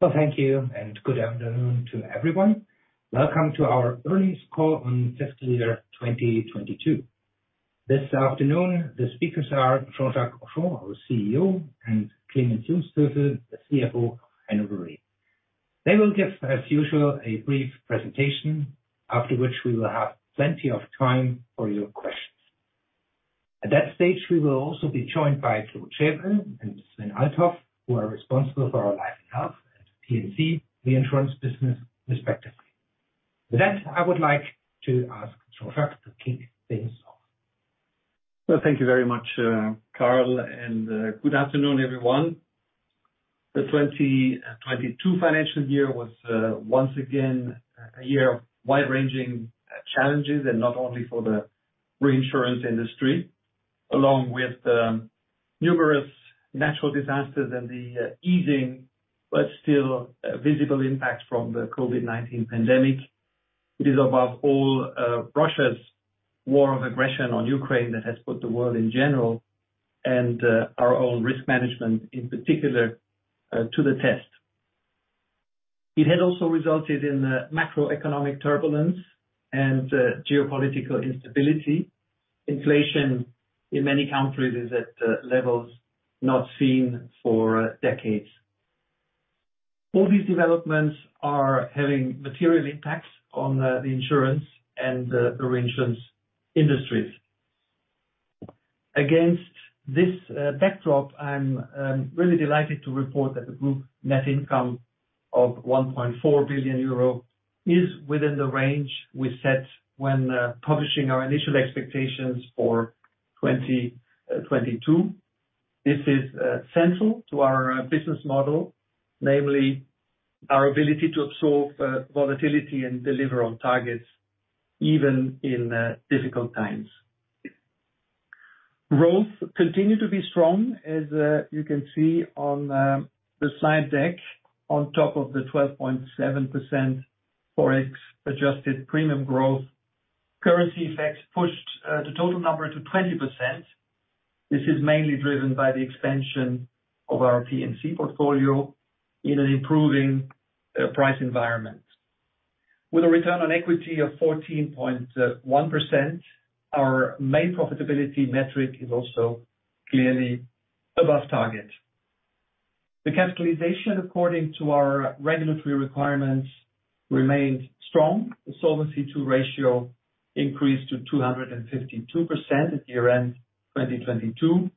Well, thank you, and good afternoon to everyone. Welcome to our earnings call on fiscal year 2022. This afternoon, the speakers are Jean-Jacques Henchoz, our CEO, and Clemens Jungsthöfel, the CFO, Hannover Re. They will give, as usual, a brief presentation, after which we will have plenty of time for your questions. At that stage, we will also be joined by Claude Chèvre and Sven Althoff, who are responsible for our life and health at P&C reinsurance business respectively. With that, I would like to ask Jean-Jacques to kick things off. Thank you very much, Karl, good afternoon, everyone. The 2022 financial year was once again a year of wide-ranging challenges, not only for the reinsurance industry. Along with numerous natural disasters and the easing but still visible impact from the COVID-19 pandemic, it is above all Russia's war of aggression on Ukraine that has put the world in general and our own risk management, in particular, to the test. It has also resulted in a macroeconomic turbulence and geopolitical instability. Inflation in many countries is at levels not seen for decades. All these developments are having material impacts on the insurance and the reinsurance industries. Against this backdrop, I'm really delighted to report that the group net income of 1.4 billion euro is within the range we set when publishing our initial expectations for 2022. This is central to our business model, namely our ability to absorb volatility and deliver on targets even in difficult times. Growth continued to be strong, as you can see on the slide deck on top of the 12.7% ForEx adjusted premium growth. Currency effects pushed the total number to 20%. This is mainly driven by the expansion of our P&C portfolio in an improving price environment. With a return on equity of 14.1%, our main profitability metric is also clearly above target. The capitalization, ac-cording to our regulatory requirements, remained strong. The Solvency II ratio increased to 252% at year-end 2022.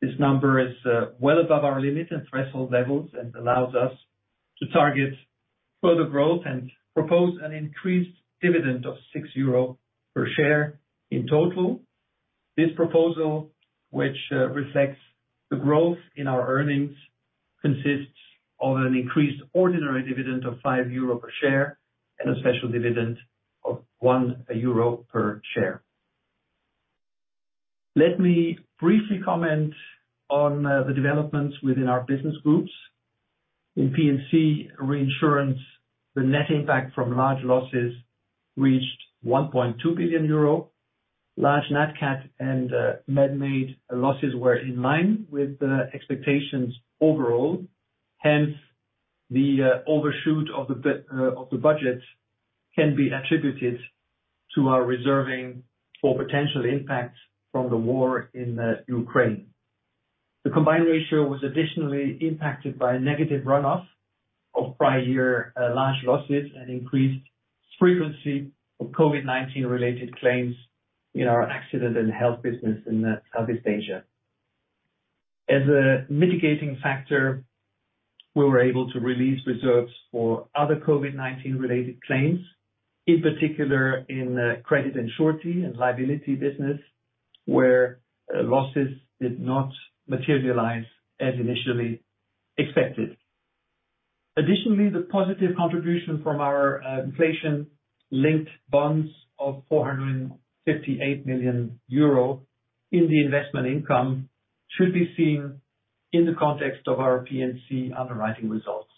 This number is well above our limit and threshold levels and allows us to target further growth and propose an increased dividend of 6 euro per share in total. This proposal, which reflects the growth in our earnings, consists of an increased ordinary dividend of 5 euro per share and a special dividend of 1 euro per share. Let me briefly comment on the developments within our business groups. In P&C reinsurance, the net impact from large losses reached 1.2 billion euro. Large nat cat and manmade losses were in line with the expectations overall. Hence, the overshoot of the budget can be attributed to our reserving for potential impact from the war in Ukraine. The combined ratio was additionally impacted by a negative runoff of prior year, large losses and increased frequency of COVID-19 related claims in our accident and health business in Southeast Asia. As a mitigating factor, we were able to release reserves for other COVID-19 related claims, in particular in credit and surety and liability business, where losses did not materialize as initially expected. Additionally, the positive contribution from our inflation-linked bonds of 458 million euro in the investment income should be seen in the context of our P&C underwriting results.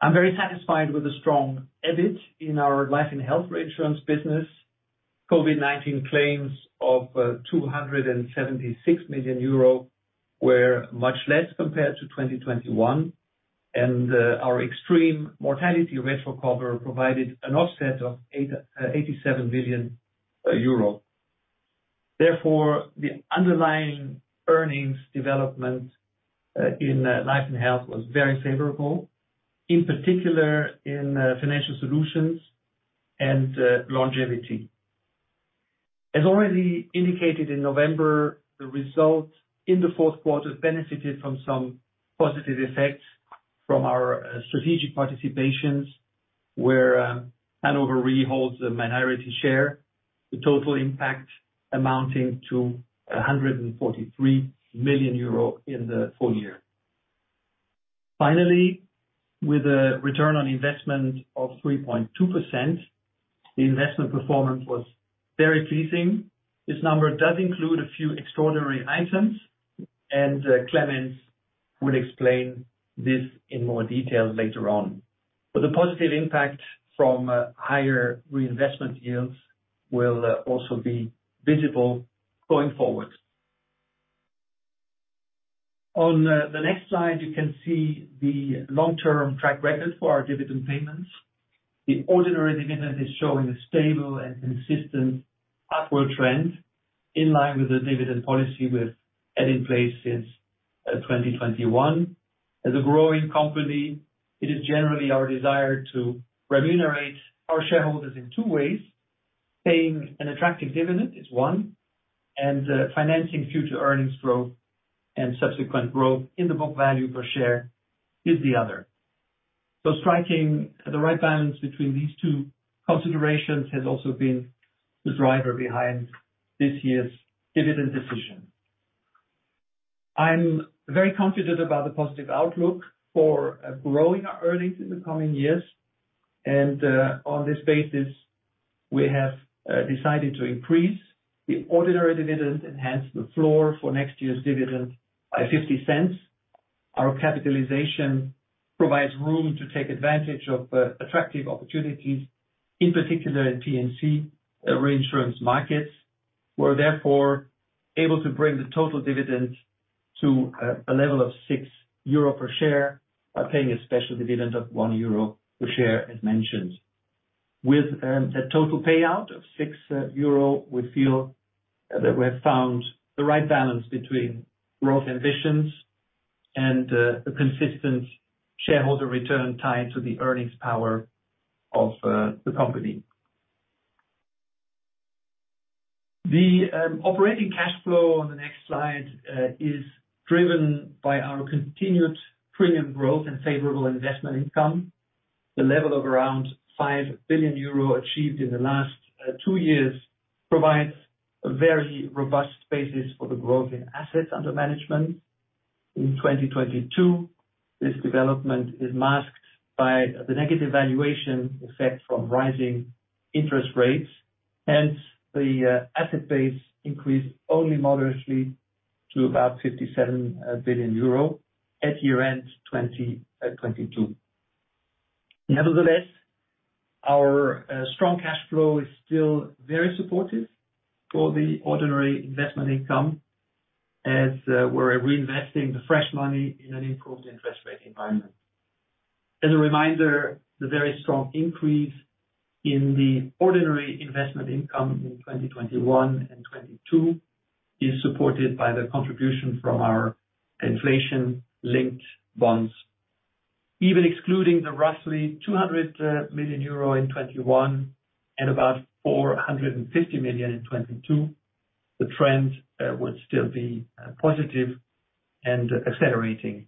I'm very satisfied with the strong EBIT in our life and health reinsurance business. COVID-19 claims of 276 million euro were much less compared to 2021, and our extreme mortality retro cover provided an offset of 87 million euro. Therefore, the underlying earnings development in Life and Health was very favorable, in particular in financial solutions and longevity. As already indicated in November, the results in the fourth quarter benefited from some positive effects from our strategic participations, where Hannover Re holds a minority share. The total impact amounting to 143 million euro in the full year. Finally, with a Return on Investment of 3.2%, the investment performance was very pleasing. This number does include a few extraordinary items, and Clemens will explain this in more detail later on. The positive impact from higher reinvestment yields will also be visible going forward. On the next slide, you can see the long-term track record for our dividend payments. The ordinary dividend is showing a stable and consistent upward trend in line with the dividend policy we have had in place since 2021. As a growing company, it is generally our desire to remunerate our shareholders in two ways. Paying an attractive dividend is one, and financing future earnings growth and subsequent growth in the book value per share is the other. Striking the right balance between these two considerations has also been the driver behind this year's dividend decision. I'm very confident about the positive outlook for growing our earnings in the coming years. On this basis, we have decided to increase the ordinary dividend, enhance the floor for next year's dividend by 0.50. Our capitalization provides room to take advantage of attractive opportunities, in particular in P&C reinsurance markets. We're therefore able to bring the total dividends to a level of 6 euro per share by paying a special dividend of 1 euro per share, as mentioned. With the total payout of 6 euro, we feel that we have found the right balance between growth ambitions and a consistent shareholder return tied to the earnings power of the company. The operating cash flow on the next slide is driven by our continued premium growth and favorable investment income. The level of around 5 billion euro achieved in the last two years provides a very robust basis for the growth in assets under management. In 2022, this development is masked by the negative valuation effect from rising interest rates. Hence, the asset base increased only moderately to about 57 billion euro at year-end 2022. Nevertheless, our strong cash flow is still very supportive for the ordinary investment income, as we're reinvesting the fresh money in an improved interest rate environment. As a reminder, the very strong increase in the ordinary investment income in 2021 and 2022 is supported by the contribution from our inflation-linked bonds. Even excluding the roughly 200 million euro in 2021 and about 450 million in 2022, the trend would still be positive and accelerating.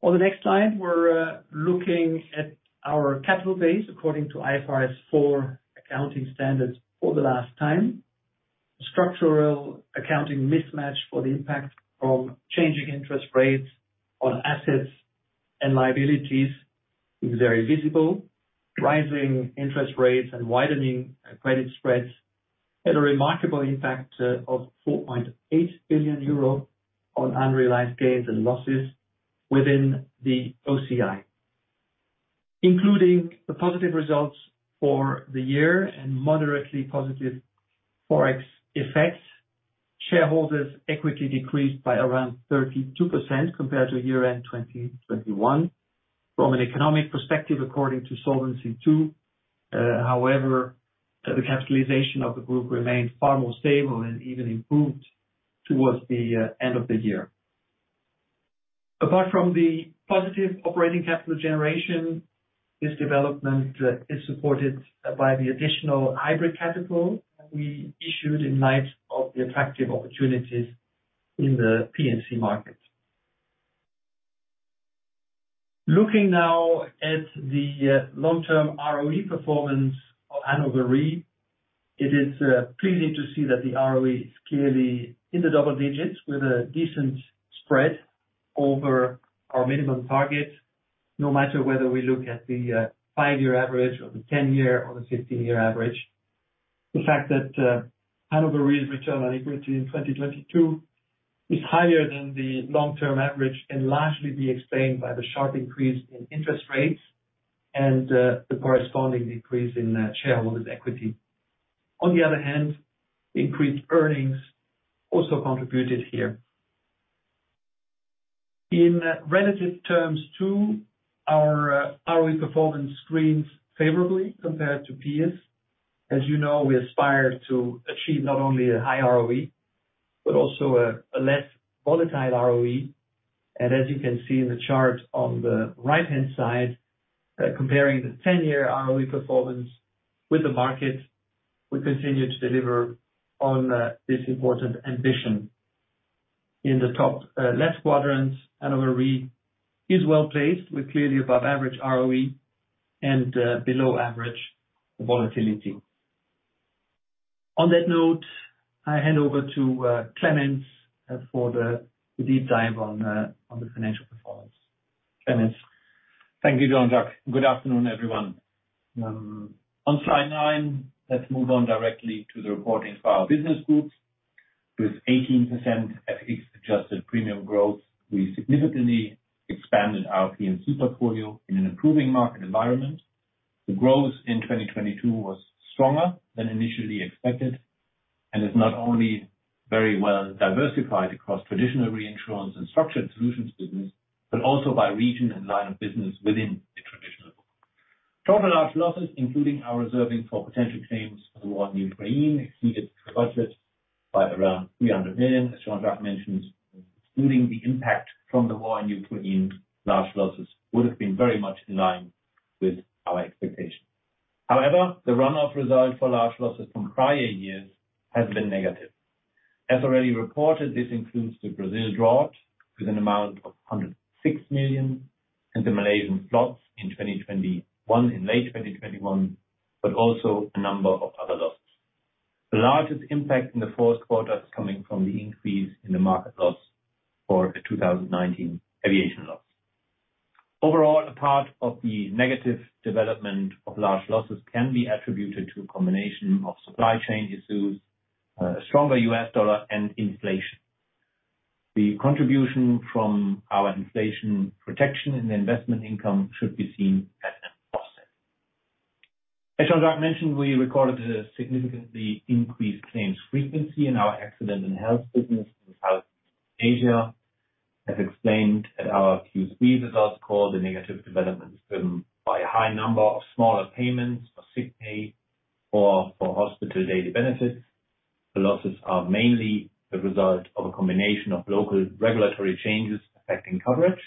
On the next slide, we're looking at our capital base according to IFRS 4 accounting standards for the last time. Structural accounting mismatch for the impact from changing interest rates on assets and liabilities is very visible. Rising interest rates and widening credit spreads had a remarkable impact of 4.8 billion euro on unrealized gains and losses within the OCI. Including the positive results for the year and moderately positive Forex effects, shareholders equity decreased by around 32% compared to year-end 2021. From an economic perspective, according to Solvency II, however, the capitalization of the group remained far more stable and even improved towards the end of the year. Apart from the positive operating capital generation, this development is supported by the additional hybrid capital we issued in light of the attractive opportunities in the P&C market. Looking now at the long-term ROE performance of Hannover Re, it is pleasing to see that the ROE is clearly in the double digits with a decent spread over our minimum target, no matter whether we look at the five-year average or the 10-year or the 15-year average. The fact that Hannover Re's return on equity in 2022 is higher than the long-term average can largely be explained by the sharp increase in interest rates and the corresponding decrease in shareholders equity. On the other hand, increased earnings also contributed here. In relative terms too, our ROE performance screens favorably compared to peers. As you know, we aspire to achieve not only a high ROE, but also a less volatile ROE. As you can see in the chart on the right-hand side, comparing the 10-year ROE performance with the market, we continue to deliver on this important ambition. In the top left quadrant, Hannover Re is well-placed with clearly above average ROE and below average volatility. On that note, I hand over to Clemens for the deep dive on the financial performance. Clemens. Thank you, Jean-Jacques. Good afternoon, everyone. On Slide nine, let's move on directly to the reporting for our business groups. With 18% at ex adjusted premium growth, we significantly expanded our P&C portfolio in an improving market environment. The growth in 2022 was stronger than initially expected, is not only very well diversified across traditional reinsurance and structured solutions business, but also by region and line of business within the traditional book. Total large losses, including our reserving for potential claims for the war in Ukraine, exceeded the budget by around 300 million, as Jean-Jacques mentioned. Excluding the impact from the war in Ukraine, large losses would have been very much in line with our expectations. However, the run-off result for large losses from prior years has been negative. As already reported, this includes the Brazil drought with an amount of 106 million and the Malaysian floods in 2021, in late 2021, also a number of other losses. The largest impact in the fourth quarter is coming from the increase in the market loss for a 2019 aviation loss. Overall, a part of the negative development of large losses can be attributed to a combination of supply chain issues, a stronger U.S. dollar and inflation. The contribution from our inflation protection and investment income should be seen as an offset. As Jean-Jacques mentioned, we recorded a significantly increased claims frequency in our accident and health business in Southeast Asia. As explained at our Q3 results call, the negative development is driven by a high number of smaller payments for sick pay or for hospital daily benefits. The losses are mainly the result of a combination of local regulatory changes affecting coverage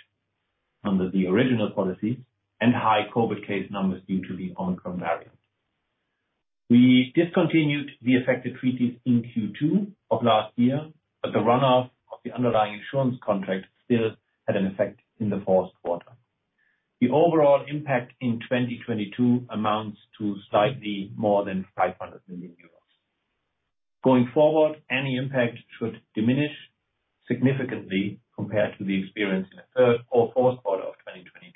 under the original policy and high COVID case numbers due to the Omicron variant. We discontinued the affected treaties in Q2 of last year, but the run-off of the underlying insurance contract still had an effect in the fourth quarter. The overall impact in 2022 amounts to slightly more than 500 million euros. Going forward, any impact should diminish significantly compared to the experience in the third or fourth quarter of 2022.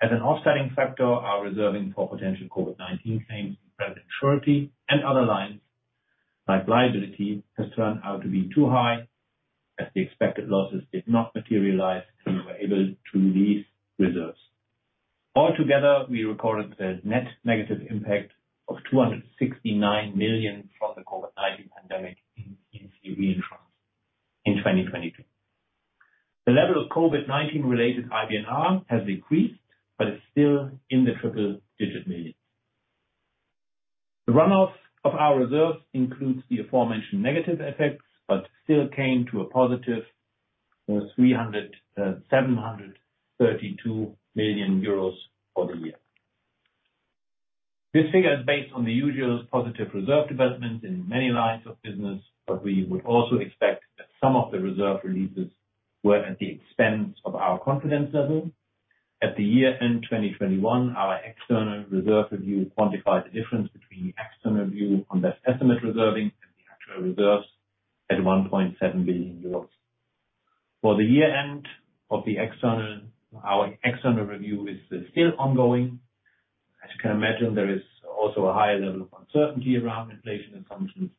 As an offsetting factor, our reserving for potential COVID-19 claims in credit surety and other lines, like liability, has turned out to be too high. As the expected losses did not materialize, we were able to release reserves. Altogether, we recorded a net negative impact of 269 million from the COVID-19 pandemic in P&C reinsurance in 2022. The level of COVID-19 related IBNR has decreased, but it's still in the triple-digit million. The run-off of our reserves includes the aforementioned negative effects, but still came to a positive 732 million euros for the year. This figure is based on the usual positive reserve development in many lines of business, but we would also expect that some of the reserve releases were at the expense of our confidence level. At the year-end 2021, our external reserve review quantified the difference between the external view on best estimate reserving and the actual reserves at 1.7 billion euros. For the year-end of the external, our external review is still ongoing. As you can imagine, there is also a higher level of uncertainty around inflation assumptions,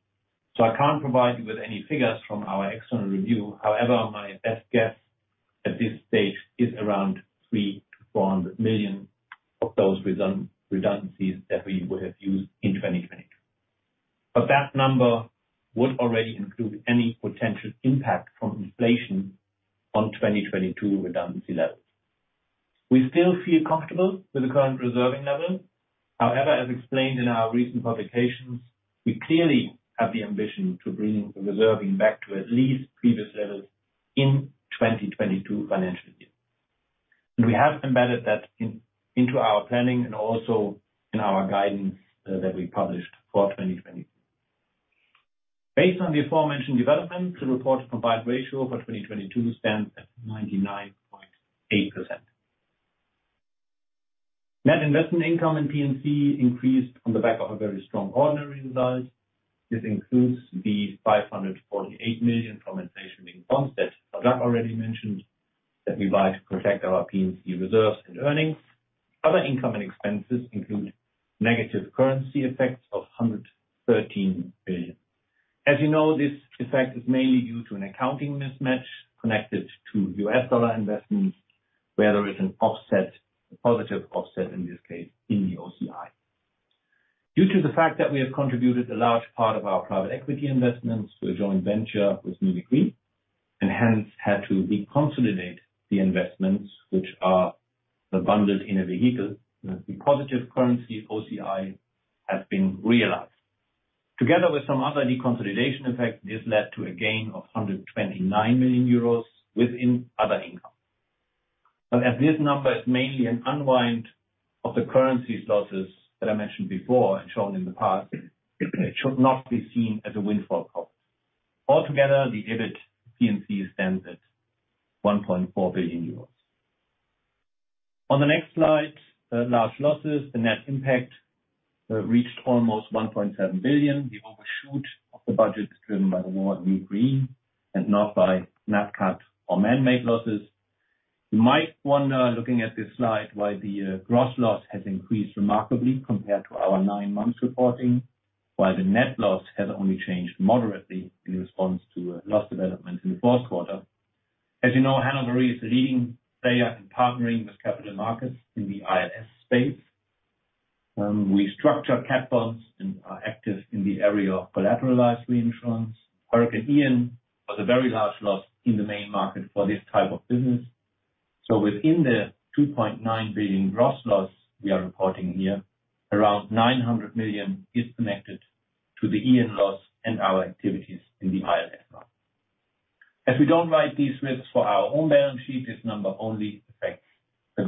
so I can't provide you with any figures from our external review. However, my best guess at this stage is around 300 million-400 million of those redundancies that we would have used in 2022. That number would already include any potential impact from inflation on 2022 redundancy levels. We still feel comfortable with the current reserving level. However, as explained in our recent publications, we clearly have the ambition to bring the reserving back to at least previous levels in 2022 financial year. We have embedded that into our planning and also in our guidance that we published for 2022. Based on the aforementioned development, the reported combined ratio for 2022 stands at 99.8%. Net investment income in P&C increased on the back of a very strong ordinary result. This includes the 548 million from inflation-linked bonds that Jean-Jacques already mentioned, that we buy to protect our P&C reserves and earnings. Other income and expenses include negative currency effects of 113 million. As you know, this effect is mainly due to an accounting mismatch connected to U.S. dollar investments, where there is an offset, a positive offset in this case, in the OCI. Due to the fact that we have contributed a large part of our private equity investments to a joint venture with Nuveen Green, and hence had to reconsolidate the investments which are bundled in a vehicle, the positive currency OCI has been realized. Together with some other reconsolidation effect, this led to a gain of 129 million euros within other income. Now, as this number is mainly an unwind of the currency losses that I mentioned before and shown in the past, it should not be seen as a windfall profit. Altogether, the EBIT PNC stands at 1.4 billion euros. On the next slide, large losses. The net impact reached almost 1.7 billion. The overshoot of the budget is driven by the war in Ukraine and not by nat cat or manmade losses. You might wonder, looking at this slide, why the gross loss has increased remarkably compared to our nine months reporting, while the net loss has only changed moderately in response to loss development in the fourth quarter. You know, Hannover Re is a leading player in partnering with capital markets in the ILS space. We structure cat bonds and are active in the area of collateralized reinsurance. Hurricane Ian was a very large loss in the main market for this type of business. Within the 2.9 billion gross loss we are reporting here, around 900 million is connected to the Ian loss and our activities in the ILS market. As we don't write these risks for our own balance sheet, this number only affects the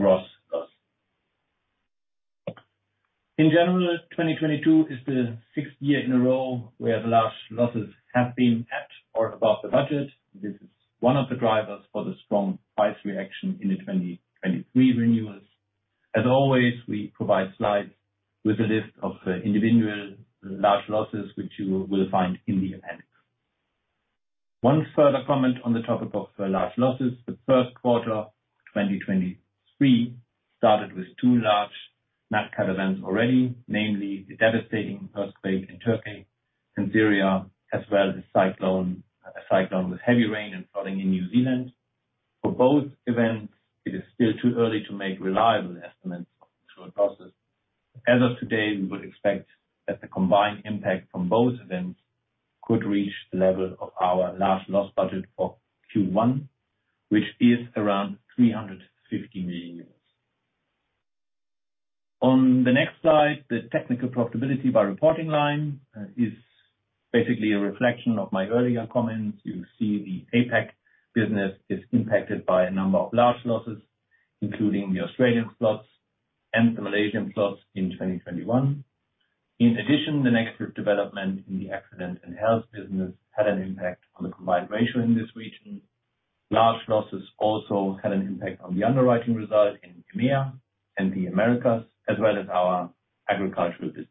gross loss. In general, 2022 is the sixth year in a row where the large losses have been at or above the budget. This is one of the drivers for the strong price reaction in the 2023 renewals. As always, we provide slides with a list of individual large losses, which you will find in the appendix. One further comment on the topic of large losses. The first quarter 2023 started with two large nat cat events already, namely the devastating earthquake in Turkey and Syria, as well as a cyclone with heavy rain and flooding in New Zealand. For both events, it is still too early to make reliable estimates of insured losses. As of today, we would expect that the combined impact from both events could reach the level of our large loss budget for Q1, which is around 350 million euros. On the next slide, the technical profitability by reporting line is basically a reflection of my earlier comments. You see the APAC business is impacted by a number of large losses, including the Australian floods and the Malaysian floods in 2021. In addition, the negative development in the accident and health business had an impact on the combined ratio in this region. Large losses also had an impact on the underwriting result in EMEA and the Americas, as well as our agricultural business.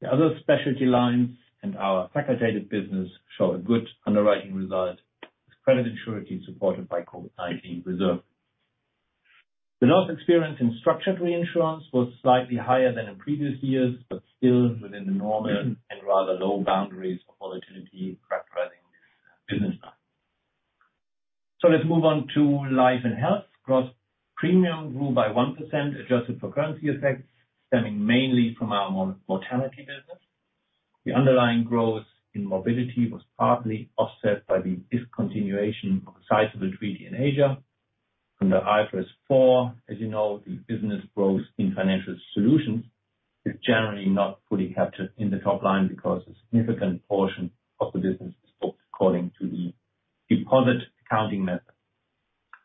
The other specialty lines and our facultative business show a good underwriting result with credit and surety supported by COVID-19 reserve. The loss experience in structured reinsurance was slightly higher than in previous years, but still within the normal and rather low boundaries of volatility characterizing this business line. Let's move on to life and health. Gross premium grew by 1% adjusted for currency effect, stemming mainly from our mortality business. The underlying growth in morbidity was partly offset by the discontinuation of a sizable treaty in Asia. Under IFRS 4, as you know, the business growth in financial solutions is generally not fully captured in the top line because a significant portion of the business is booked according to the deposit accounting method.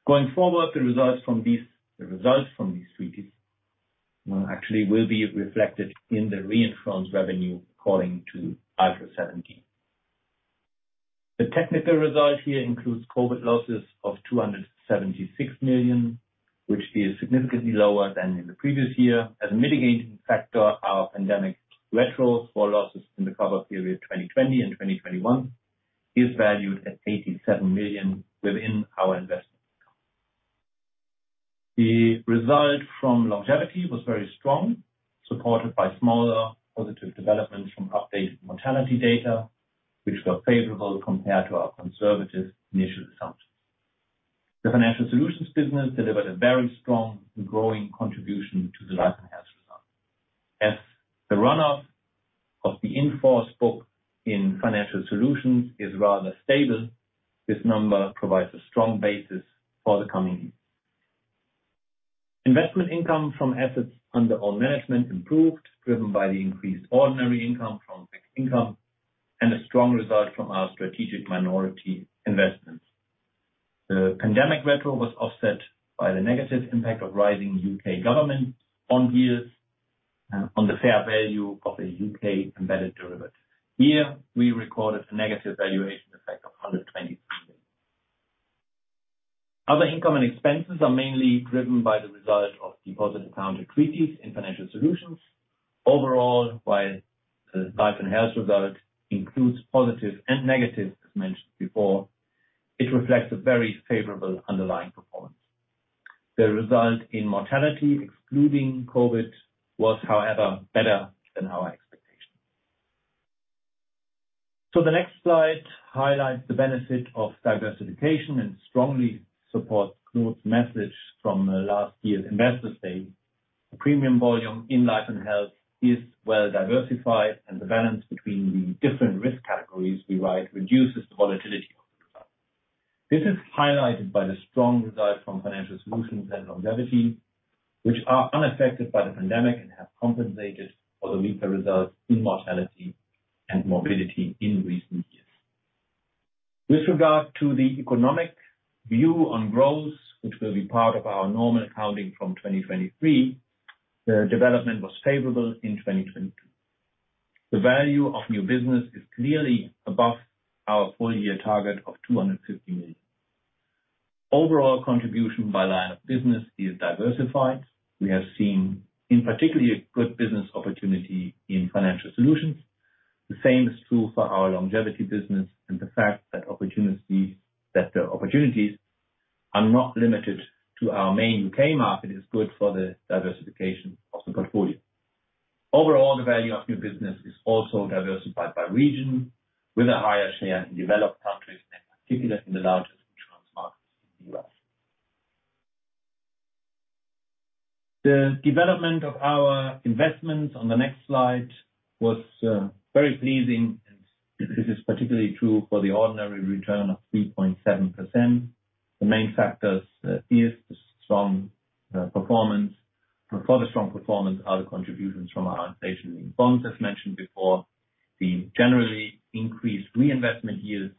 Going forward, the results from these treaties, actually will be reflected in the reinsurance revenue according to IFRS 17. The technical result here includes COVID losses of 276 million, which is significantly lower than in the previous year. As a mitigating factor, our pandemic retro for losses in the cover period 2020 and 2021 is valued at 87 million within our investment income. The result from longevity was very strong, supported by smaller positive developments from updated mortality data, which were favorable compared to our conservative initial assumptions. The financial solutions business delivered a very strong growing contribution to the life and health result. As the runoff of the in-force book in financial solutions is rather stable, this number provides a strong basis for the coming years. Investment income from assets under all management improved, driven by the increased ordinary income from fixed income and a strong result from our strategic minority investments. The pandemic retro was offset by the negative impact of rising UK government bond yields on the fair value of a UK embedded derivative. Here, we recorded a negative valuation effect of 123 million. Other income and expenses are mainly driven by the result of deposit account treaties in financial solutions. While the life and health result includes positives and negatives, as mentioned before, it reflects a very favorable underlying performance. The result in mortality, excluding COVID, was, however, better than our expectations. The next slide highlights the benefit of diversification and strongly supports Kurt's message from last year's investors day. The premium volume in life and health is well diversified, and the balance between the different risk categories we write reduces the volatility of the result. This is highlighted by the strong results from financial solutions and longevity, which are unaffected by the pandemic and have compensated for the weaker results in mortality and morbidity in recent years. With regard to the economic view on growth, which will be part of our normal accounting from 2023, the development was favorable in 2022. The value of new business is clearly above our full year target of 250 million. Overall contribution by line of business is diversified. We have seen, in particular, a good business opportunity in financial solutions. The same is true for our longevity business and the fact that the opportunities are not limited to our main U.K. market is good for the diversification of the portfolio. Overall, the value of new business is also diversified by region, with a higher share in developed countries, and in particular, in the largest insurance markets in the U.S. The development of our investments on the next slide was very pleasing. This is particularly true for the ordinary return of 3.7%. The main factors is the strong performance. For the strong performance are the contributions from our inflation-linked bonds, as mentioned before, the generally increased reinvestment yields,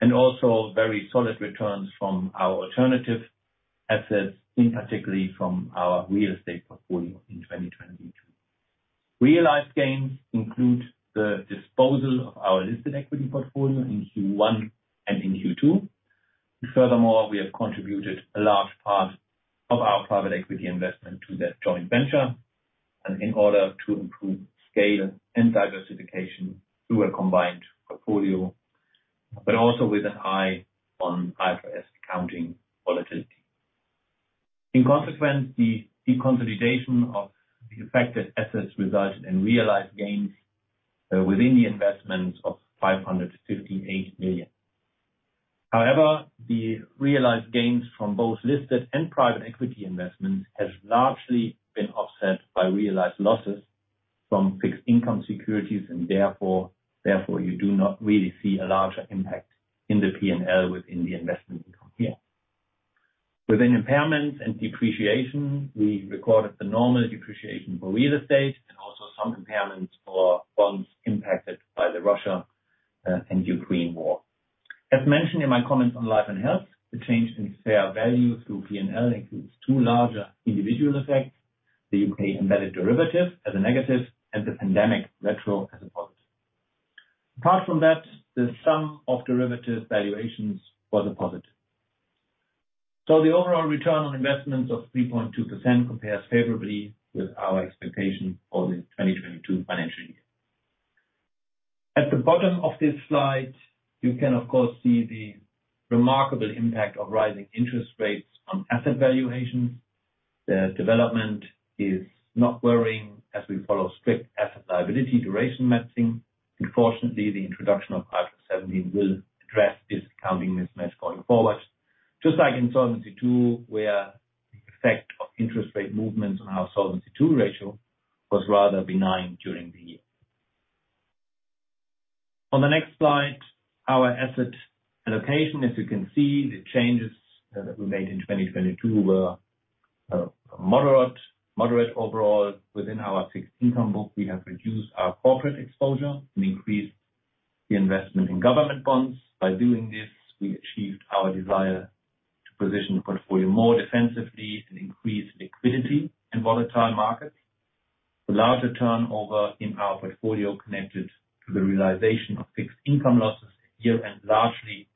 and also very solid returns from our alternative assets, in particular from our real estate portfolio in 2022. Realized gains include the disposal of our listed equity portfolio in Q1 and in Q2. Furthermore, we have contributed a large part of our private equity investment to that joint venture and in order to improve scale and diversification through a combined portfolio, but also with an eye on IFRS accounting volatility. In consequence, the deconsolidation of the affected assets resulted in realized gains within the investments of 558 million. However, the realized gains from both listed and private equity investments has largely been offset by realized losses from fixed income securities. Therefore, you do not really see a larger impact in the P&L within the investment income here. Within impairments and depreciation, we recorded the normal depreciation for real estate and also some impairments for bonds impacted by the Russia and Ukraine war. As mentioned in my comments on Life and Health, the change in fair value through P&L includes two larger individual effects. The UK embedded derivative as a negative and the pandemic retro as a positive. Apart from that, the sum of derivative valuations was a positive. The overall return on investments of 3.2% compares favorably with our expectation for the 2022 financial year. At the bottom of this slide, you can, of course, see the remarkable impact of rising interest rates on asset valuations. The development is not worrying as we follow strict asset liability duration matching. Fortunately, the introduction of IFRS 17 will address this accounting mismatch going forward. Just like in Solvency II, where the effect of interest rate movements on our Solvency II ratio was rather benign during the year. On the next slide, our asset allocation. As you can see, the changes that we made in 2022 were moderate overall. Within our fixed income book, we have reduced our corporate exposure and increased the investment in government bonds. By doing this, we achieved our desire to position the portfolio more defensively and increase liquidity in volatile markets. The larger turnover in our portfolio connected to the realization of fixed income losses year, largely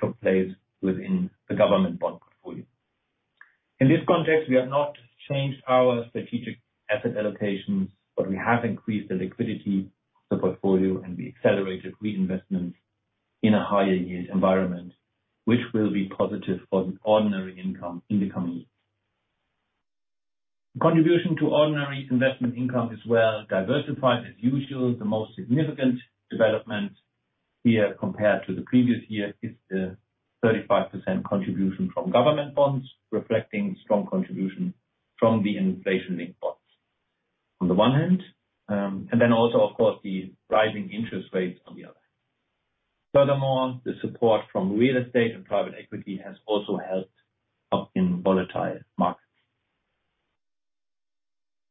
took place within the government bond portfolio. In this context, we have not changed our strategic asset allocations, we have increased the liquidity of the portfolio, we accelerated reinvestments in a higher yield environment, which will be positive for the ordinary income in the coming years. Contribution to ordinary investment income is well diversified as usual. The most significant development here compared to the previous year is the 35% contribution from government bonds, reflecting strong contribution from the inflation-linked bonds on the one hand, and then also, of course, the rising interest rates on the other. The support from real estate and private equity has also helped up in volatile markets.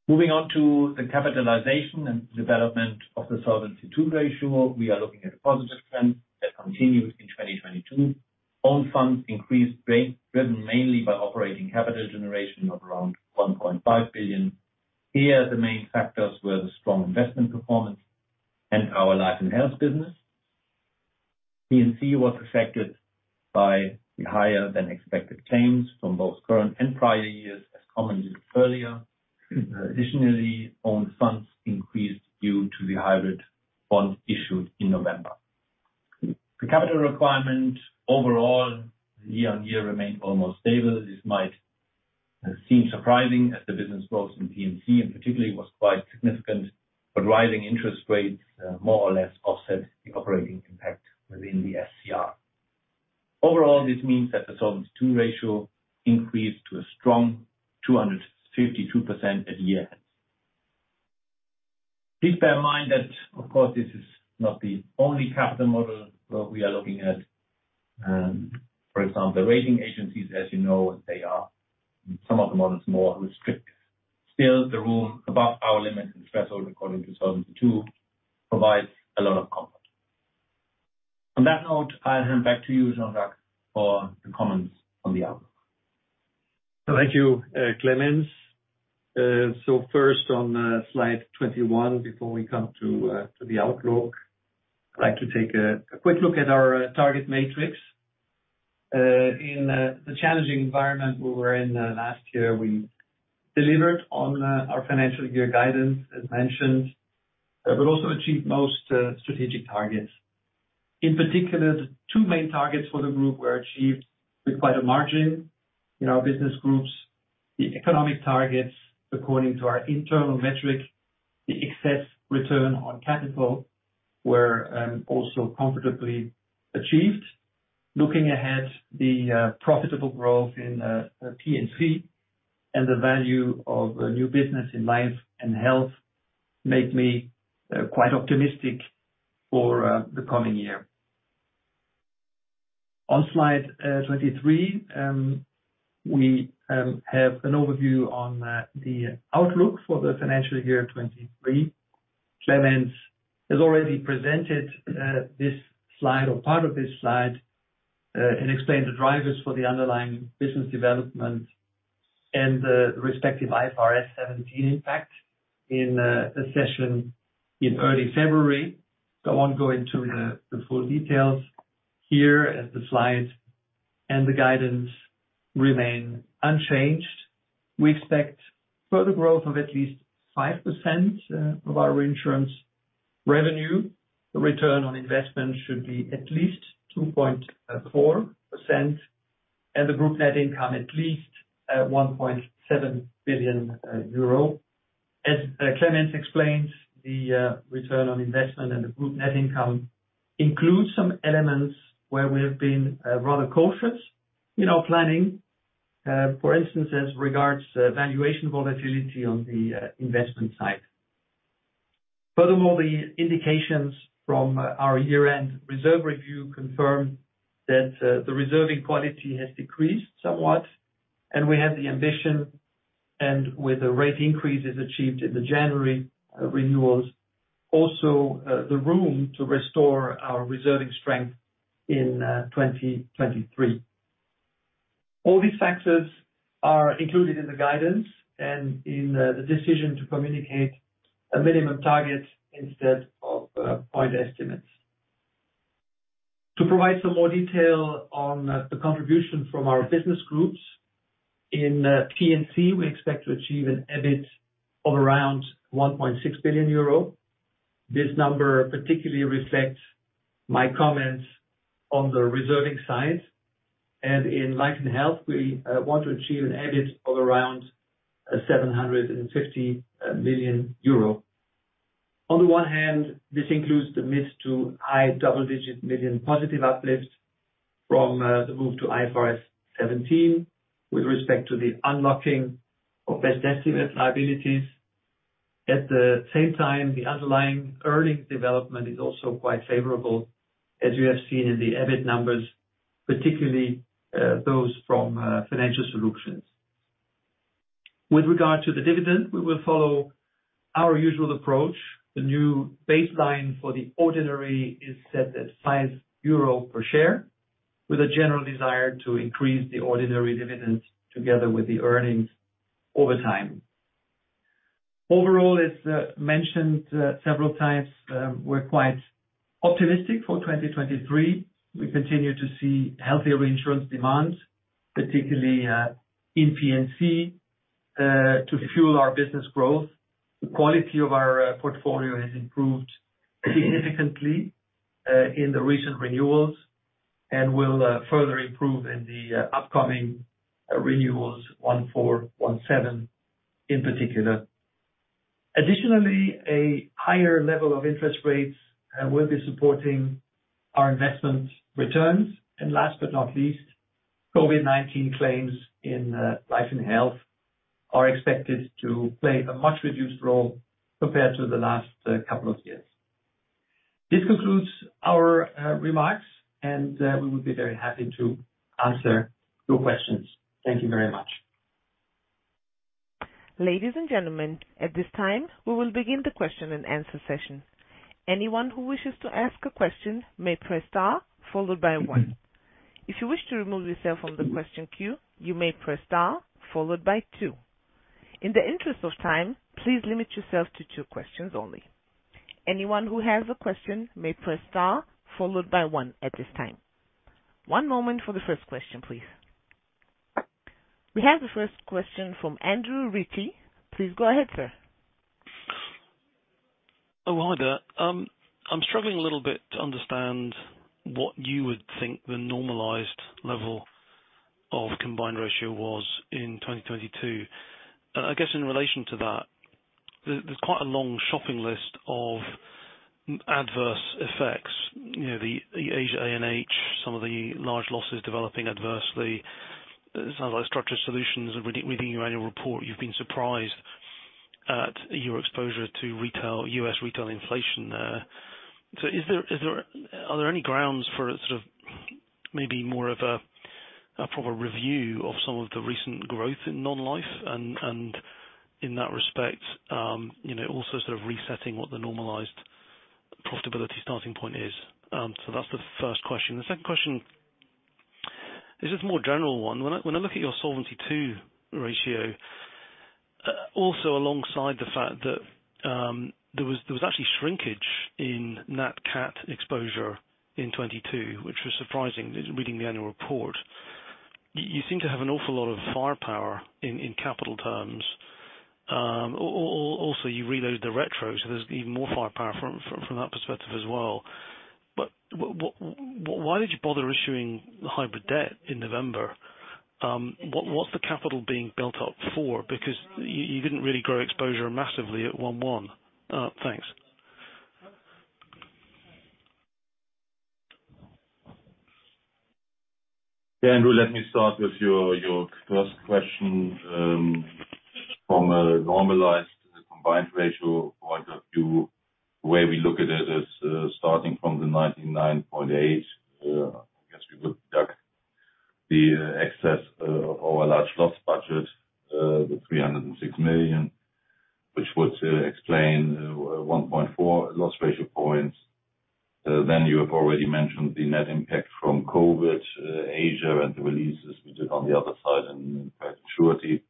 Moving on to the capitalization and development of the Solvency II ratio. We are looking at a positive trend that continued in 2022. Own funds increased rate driven mainly by operating capital generation of around 1.5 billion. Here, the main factors were the strong investment performance and our life and health business. P&C was affected by the higher than expected claims from both current and prior years, as commented earlier. Own funds increased due to the hybrid bond issued in November. The capital requirement overall year-on-year remained almost stable. This might seem surprising as the business growth in P&C particularly was quite significant. Rising interest rates more or less offset the operating impact within the SCR. Overall, this means that the Solvency II ratio increased to a strong 252% at year-end. Please bear in mind that, of course, this is not the only capital model where we are looking at. For example, rating agencies, as you know, they are some of the models more restrictive. The room above our limits and threshold according to Solvency II provides a lot of comfort. On that note, I'll hand back to you, Jean-Jacques, for the comments on the outlook. Thank you, Clemens. First on slide 21 before we come to the outlook. I'd like to take a quick look at our target matrix. In the challenging environment we were in last year, we delivered on our financial year guidance, as mentioned, but also achieved most strategic targets. In particular, the two main targets for the group were achieved with quite a margin. In our business groups, the economic targets, according to our internal metrics, the excess return on capital, were also comfortably achieved. Looking ahead, the profitable growth in P&C and the value of new business in life and health make me quite optimistic for the coming year. On slide 23, we have an overview on the outlook for the financial year 2023. Clemens has already presented this slide or part of this slide and explained the drivers for the underlying business development and the respective IFRS 17 impact in a session in early February. I won't go into the full details here, as the slide and the guidance remain unchanged. We expect further growth of at least 5% of our reinsurance revenue. The return on investment should be at least 2.4%, and the group net income at least 1.7 billion euro. As Clemens explained, the return on investment and the group net income includes some elements where we have been rather cautious in our planning. For instance, as regards valuation volatility on the investment side. Furthermore, the indications from our year-end reserve review confirm that the reserving quality has decreased somewhat, and we have the ambition, and with the rate increases achieved in the January renewals, also the room to restore our reserving strength in 2023. All these factors are included in the guidance and in the decision to communicate a minimum target instead of point estimates. To provide some more detail on the contribution from our business groups, in P&C, we expect to achieve an EBIT of around 1.6 billion euro. This number particularly reflects my comments on the reserving side. In life and health, we want to achieve an EBIT of around 750 million euro. On the one hand, this includes the EUR mid-to-high double-digit million positive uplift from the move to IFRS 17, with respect to the unlocking of best estimate liabilities. At the same time, the underlying earnings development is also quite favorable, as you have seen in the EBIT numbers, particularly those from financial solutions. With regard to the dividend, we will follow our usual approach. The new baseline for the ordinary is set at 5 euro per share, with a general desire to increase the ordinary dividends together with the earnings over time. Overall, as mentioned several times, we're quite optimistic for 2023. We continue to see healthier reinsurance demands, particularly in P&C, to fuel our business growth. The quality of our portfolio has improved significantly in the recent renewals and will further improve in the upcoming renewals, one four, one seven in particular. Additionally, a higher level of interest rates will be supporting our investment returns. Last but not least, COVID-19 claims in life and health are expected to play a much reduced role compared to the last couple of years. This concludes our remarks, and we would be very happy to answer your questions. Thank you very much. Ladies and gentlemen, at this time, we will begin the question-and-answer session. Anyone who wishes to ask a question may press star followed by one. If you wish to remove yourself from the question queue, you may press star followed by two. In the interest of time, please limit yourself to two questions only. Anyone who has a question may press star followed by one at this time. One moment for the first question, please. We have the first question from Andrew Ritchie. Please go ahead, sir. Hi there. I'm struggling a little bit to understand what you would think the normalized level of combined ratio was in 2022. I guess in relation to that, there's quite a long shopping list of adverse effects. You know, the Asia A&H, some of the large losses developing adversely. It sounds like structured solutions. Reading your annual report, you've been surprised at your exposure to retail, U.S. retail inflation. Are there any grounds for sort of maybe more of a proper review of some of the recent growth in non-life? In that respect, you know, also sort of resetting what the normalized profitability starting point is. That's the first question. The second question is just a more general one. When I look at your Solvency II ratio. Also alongside the fact that there was actually shrinkage in nat cat exposure in 22, which was surprising reading the annual report. You seem to have an awful lot of firepower in capital terms. Also, you reloaded the retro, so there's even more firepower from that perspective as well. Why did you bother issuing the hybrid debt in November? What's the capital being built up for? Because you didn't really grow exposure massively at 1/1. Thanks. Andrew, let me start with your first question. From a normalized combined ratio point of view, the way we look at it is, starting from the 99.8%, I guess we would deduct the excess or large loss budget, the 306 million, which would explain 1.4 loss ratio points. You have already mentioned the net impact from COVID, Asia, and the releases we did on the other side and credit surety.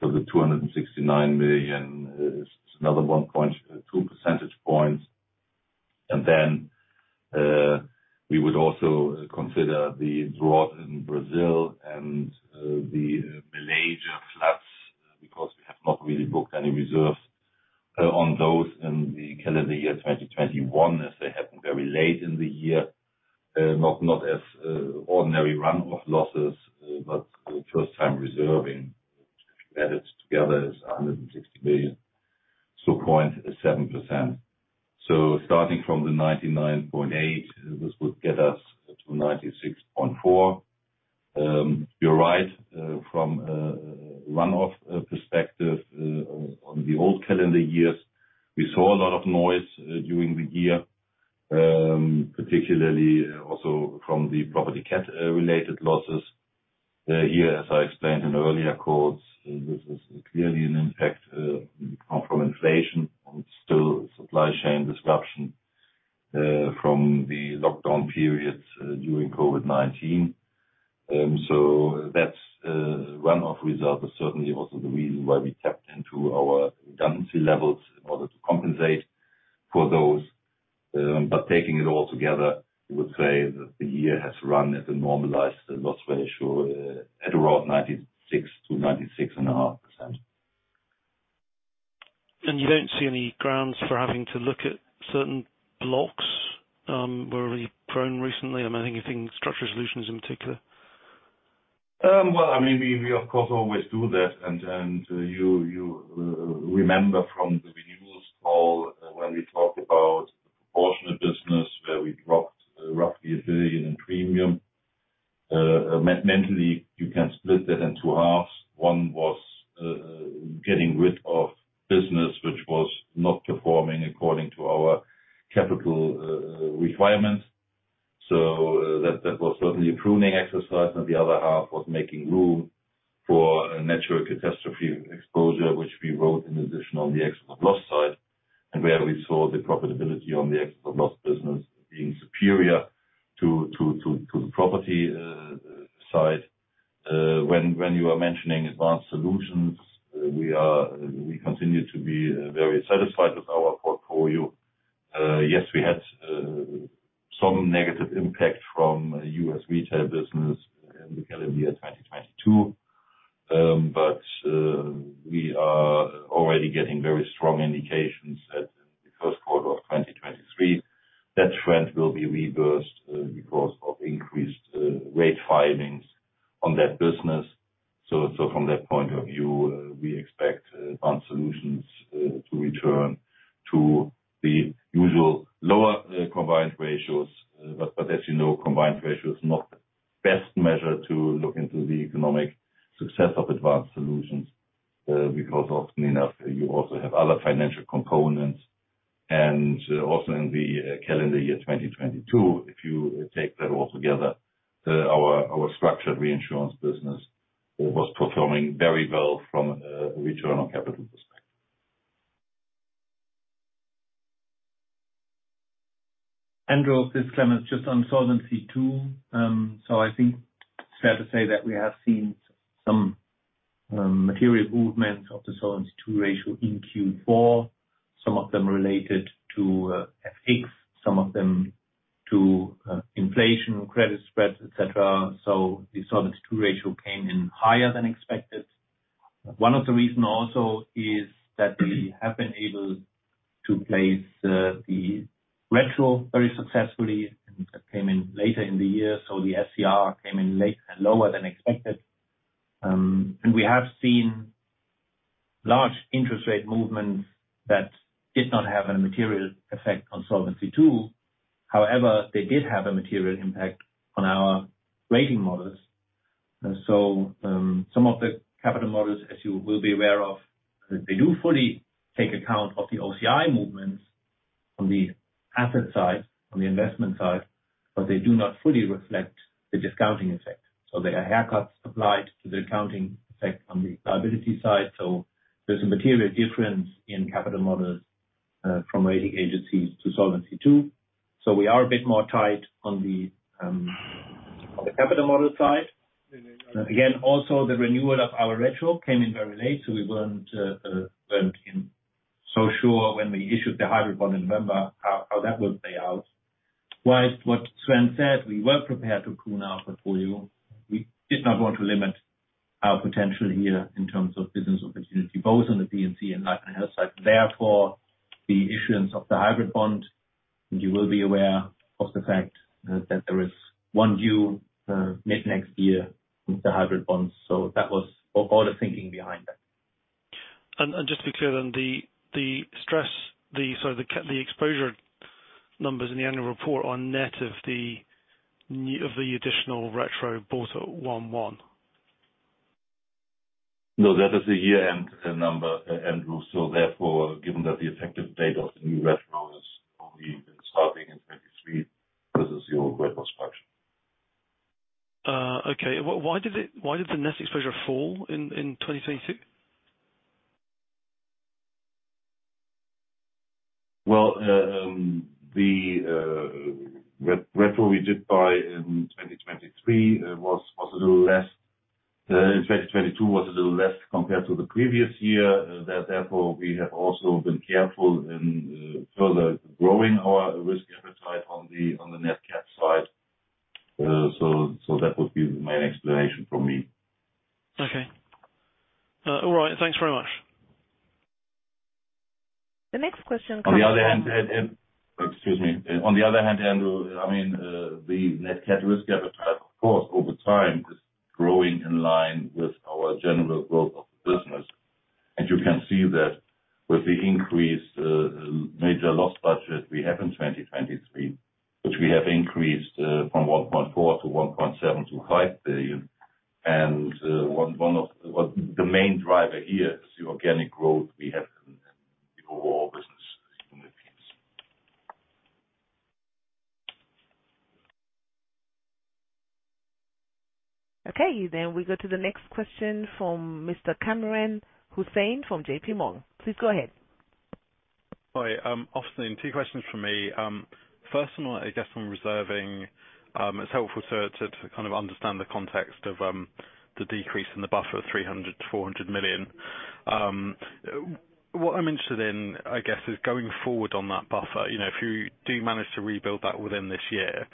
The 269 million is another 1.2 percentage points. We would also consider the drought in Brazil and the Malaysia floods, because we have not really booked any reserves on those in the calendar year 2021, as they happened very late in the year. not as ordinary run-off losses, but first time reserving. If you add it together, it's 160 million, so 0.7%. Starting from the 99.8%, this would get us to 96.4%. You're right, from a run-off perspective, on the old calendar years, we saw a lot of noise during the year, particularly also from the property cat related losses. Here, as I explained in earlier calls, this is clearly an impact from inflation and still supply chain disruption from the lockdown periods during COVID-19. That's run-off result is certainly also the reason why we tapped into our redundancy levels in order to compensate for those. Taking it all together, we would say that the year has run at a normalized loss ratio, at around 96%-96.5%. You don't see any grounds for having to look at certain blocks, where you've grown recently? I'm only thinking Structured Solutions in particular. Well, I mean, we of course always do that. You remember from the renewals call when we talked about the proportionate business where we dropped roughly 1 billion in premium. Mentally, you can split that in two halves. One was getting rid of business which was not performing according to our capital requirements. That was certainly a pruning exercise. The other half was making room for natural catastrophe exposure, which we wrote in addition on the excess of loss side, and where we saw the profitability on the excess of loss business being superior to the property side. When you are mentioning Advanced Solutions, we continue to be very satisfied with our portfolio. Yes, we had some negative impact from U.S. retail business in the calendar year 2022. We are already getting very strong indications that in the first quarter of 2023, that trend will be reversed because of increased rate filings on that business. From that point of view, we expect Advanced Solutions to return to the usual lower combined ratios. As you know, combined ratio is not the best measure to look into the economic success of Advanced Solutions because often enough you also have other financial components. Also in the calendar year 2022, if you take that all together, our structured reinsurance business was performing very well from a return on capital perspective. Andrew, this is Clemens. Just on Solvency II. I think it's fair to say that we have seen some material movements of the Solvency II ratio in Q4, some of them related to FX, some of them to inflation, credit spreads, et cetera. The Solvency II ratio came in higher than expected. One of the reason also is that we have been able to place the retro very successfully, and that came in later in the year. The SCR came in late and lower than expected. We have seen large interest rate movements that did not have a material effect on Solvency II. However, they did have a material impact on our rating models. Some of the capital models, as you will be aware of, they do fully take account of the OCI movements on the asset side, on the investment side, but they do not fully reflect the discounting effect. There are haircuts applied to the accounting effect on the liability side. There's a material difference in capital models from rating agencies to Solvency II. We are a bit more tight on the. On the capital model side, again, also the renewal of our retro came in very late, so we weren't so sure when we issued the hybrid bond in November, how that would play out. What Sven said, we were prepared to prune our portfolio. We did not want to limit our potential here in terms of business opportunity, both on the P&C and life and health side. The issuance of the hybrid bond, you will be aware of the fact that there is one due mid-next year with the hybrid bonds. That was all the thinking behind that. Just to be clear then, the stress, the exposure numbers in the annual report are net of the additional retro bought at 1/1. That is a year-end number, Andrew. Therefore, given that the effective date of the new retro is only been starting in 2023, this is your gross function. Okay. Why did the net exposure fall in 2022? Well, the retro we did buy in 2023 was a little less. In 2022 was a little less compared to the previous year. Therefore, we have also been careful in further growing our risk appetite on the net cap side. That would be the main explanation from me. All right. Thanks very much. The next question comes from. On the other hand. Excuse me. On the other hand, Andrew, I mean, the net cat risk appetite, of course, over time is growing in line with our general growth of the business. You can see that with the increased major loss budget we have in 2023, which we have increased from 1.4 billion to 1.725 billion. The main driver here is the organic growth we have in the overall business in the piece. Okay. We go to the next question from Mr. Kamran Hossain from JP Morgan. Please go ahead. Hi. Austin, two questions from me. First one, I guess, on reserving. It's helpful to kind of understand the context of the decrease in the buffer, 300 million-400 million. What I'm interested in, I guess, is going forward on that buffer. You know, if you do manage to rebuild that within this year,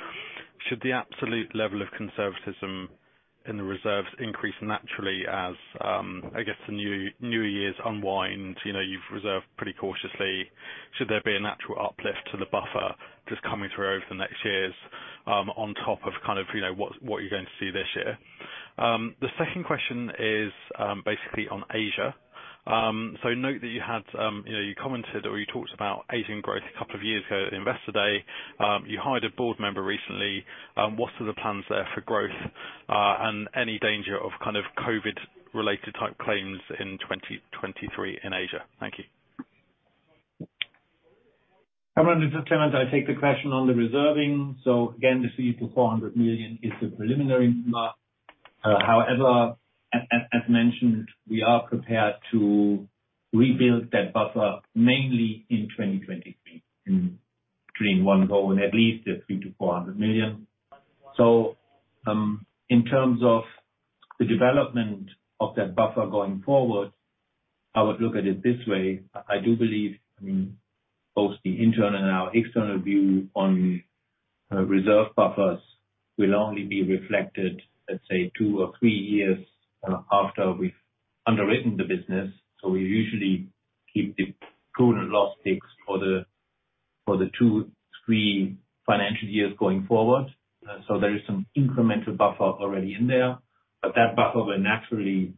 should the absolute level of conservatism in the reserves increase naturally as I guess the new years unwind? You know, you've reserved pretty cautiously. Should there be a natural uplift to the buffer just coming through over the next years, on top of kind of, you know, what you're going to see this year? The second question is basically on Asia. Note that you had, you know, you commented or you talked about Asian growth a couple of years ago at Investor Day. You hired a board member recently. What are the plans there for growth, and any danger of kind of COVID related type claims in 2023 in Asia? Thank you. Kamran, this is Clemens Jungsthöfel. I take the question on the reserving. Again, the 300 million-400 million is the preliminary mark. However, as mentioned, we are prepared to rebuild that buffer mainly in 2023 in between one go and at least the 300 million-400 mil-lion. In terms of the development of that buffer going forward, I would look at it this way. I do believe, I mean, both the internal and our external view on reserve buffers will only be reflected, let's say, two or three years after we've underwritten the business. We usually keep the current loss fixed for the two, three financial years going forward. There is some incremental buffer already in there. That buffer will naturally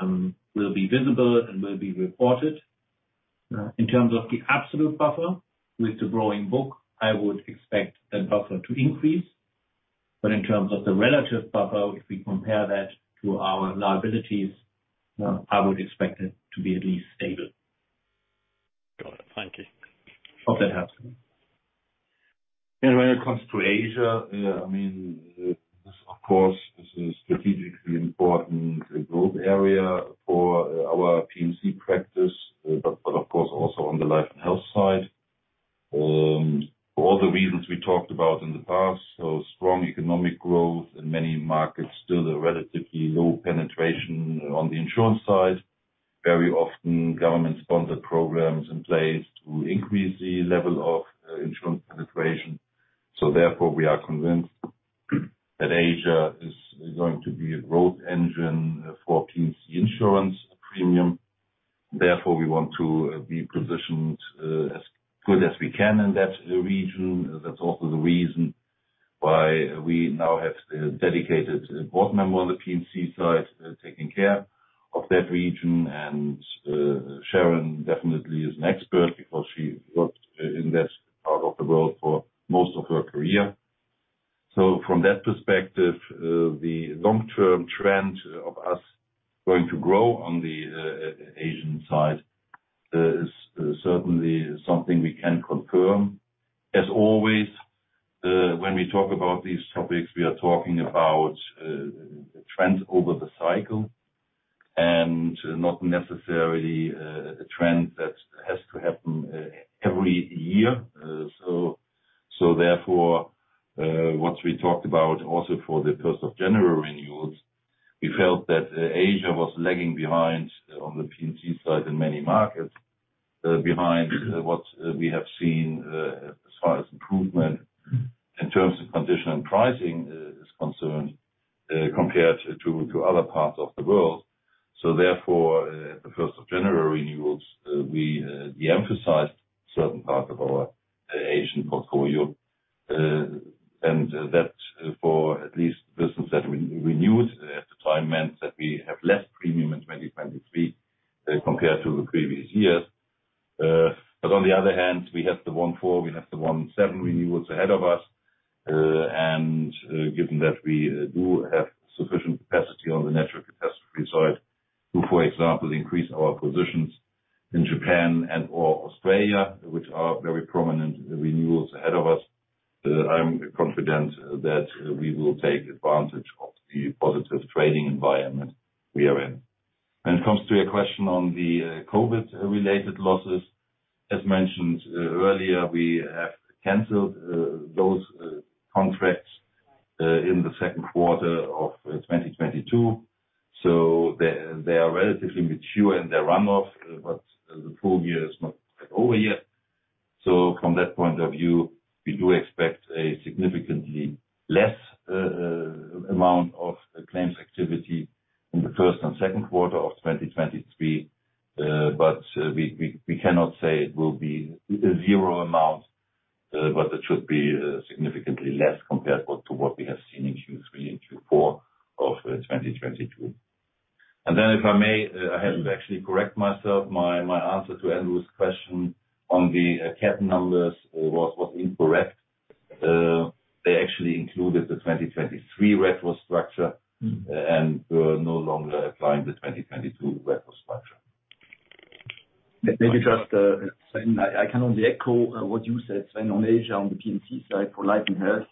will be visible and will be reported. In terms of the absolute buffer, with the growing book, I would expect that buffer to increase. In terms of the relative buffer, if we compare that to our liabilities, I would expect it to be at least stable. Got it. Thank it. Hope that helps. When it comes to Asia, I mean, this of course is a strategically important growth area for our P&C practice, but of course also on the life and health side. For all the reasons we talked about in the past, so strong economic growth in many markets, still a relatively low penetration on the insurance side. Very often, government-sponsored programs in place to increase the level of insurance penetration. Therefore, we are convinced that Asia is going to be a growth engine for P&C insurance premium. Therefore, we want to be positioned as good as we can in that region. That's also the reason why we now have a dedicated board member on the P&C side taking care of that region. Sharon definitely is an expert because she worked in that part of the world for most of her career. From that perspective, the long-term trend of us going to grow on the Asian side is certainly something we can confirm. As always, when we talk about these topics, we are talking about the trend over the cycle and not necessarily a trend that has to happen every year. So therefore, what we talked about also for the first of January renewals, we felt that Asia was lagging behind on the P&C side in many markets, behind what we have seen as far as improvement in terms of condition and pricing is concerned, compared to other parts of the world. Therefore, the first of January renewals, we de-emphasized certain parts of our Asian portfolio. That for at least business that we renewed at the time, meant that we have less premium in 2023 compared to the previous years. On the other hand, we have the 1/4, we have the 1/7 renewals ahead of us. Given that we do have sufficient capacity on the natural catastrophe side, to, for example, increase our positions in Japan and or Australia, which are very prominent renewals ahead of us, I'm confident that we will take advantage of the positive trading environment we are in. When it comes to your question on the COVID related losses, as mentioned earlier, we have canceled those contracts in the second quarter of 2022. They are relatively mature in their run-off, but the full year is not quite over yet. From that point of view, we do expect a significantly less amount of claims activity in the first and second quarter of 2023. But we cannot say it will be zero amount, but it should be significantly less compared to what we have seen in Q3 and Q4 of 2022. If I may, I have to actually correct myself. My answer to Andrew's question on the cat numbers was incorrect. They actually included the 2023 retro structure and no longer applying the 2022 retro structure. Maybe just Sven, I can only echo what you said, Sven, on Asia, on the P&C side for life and health.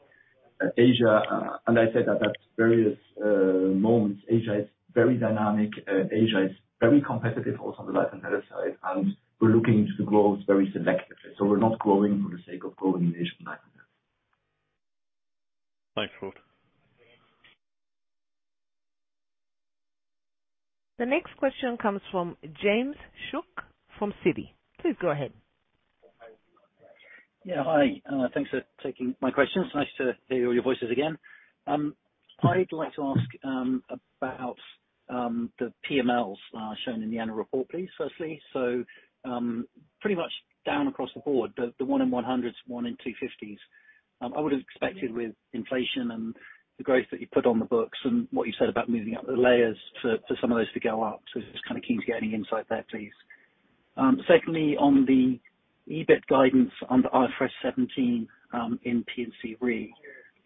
Asia, as I said at that various moments, Asia is very dynamic. Asia is very competitive also on the life and health side, and we're looking into the growth very selectively. We're not growing for the sake of growing in Asian life and health. Thanks, Rudolf. The next question comes from James Shuck from Citi. Please go ahead. Yeah. Hi. Thanks for taking my questions. Nice to hear all your voices again. I'd like to ask about the PMLs shown in the annual report, please, firstly. Pretty much down across the board, the 1 in 100s, 1 in 250s, I would have expected with inflation and the growth that you put on the books and what you said about moving up the layers for some of those to go up. Just kind of keen to get any insight there, please. Secondly, on the EBIT guidance under IFRS 17, in P&C Re,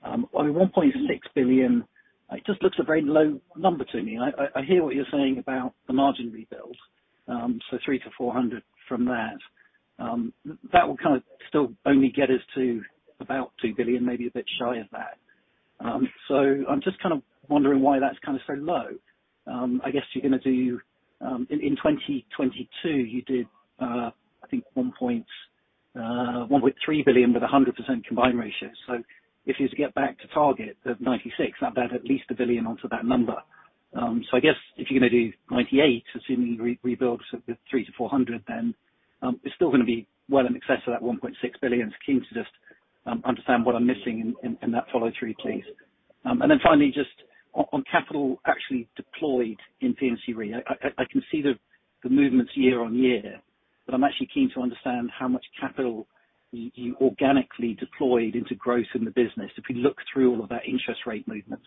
on the 1.6 billion, it just looks a very low number to me. I hear what you're saying about the margin rebuilds, so 300-400 million from that. That will kind of still only get us to about 2 billion, maybe a bit shy of that. I'm just kind of wondering why that's kind of so low. I guess you're gonna do, in 2022, you did, I think 1.3 billion with a 100% combined ratio. If you're to get back to target of 96%, that'd add at least 1 billion onto that number. I guess if you're gonna do 98%, assuming rebuilds of the 300-400, then, it's still gonna be well in excess of that 1.6 billion. Keen to just understand what I'm missing in that follow through, please. Finally, just on capital actually deployed in P&C Re. I can see the movements year on year, I'm actually keen to understand how much capital you organically deployed into growth in the business. If we look through all of that interest rate movements,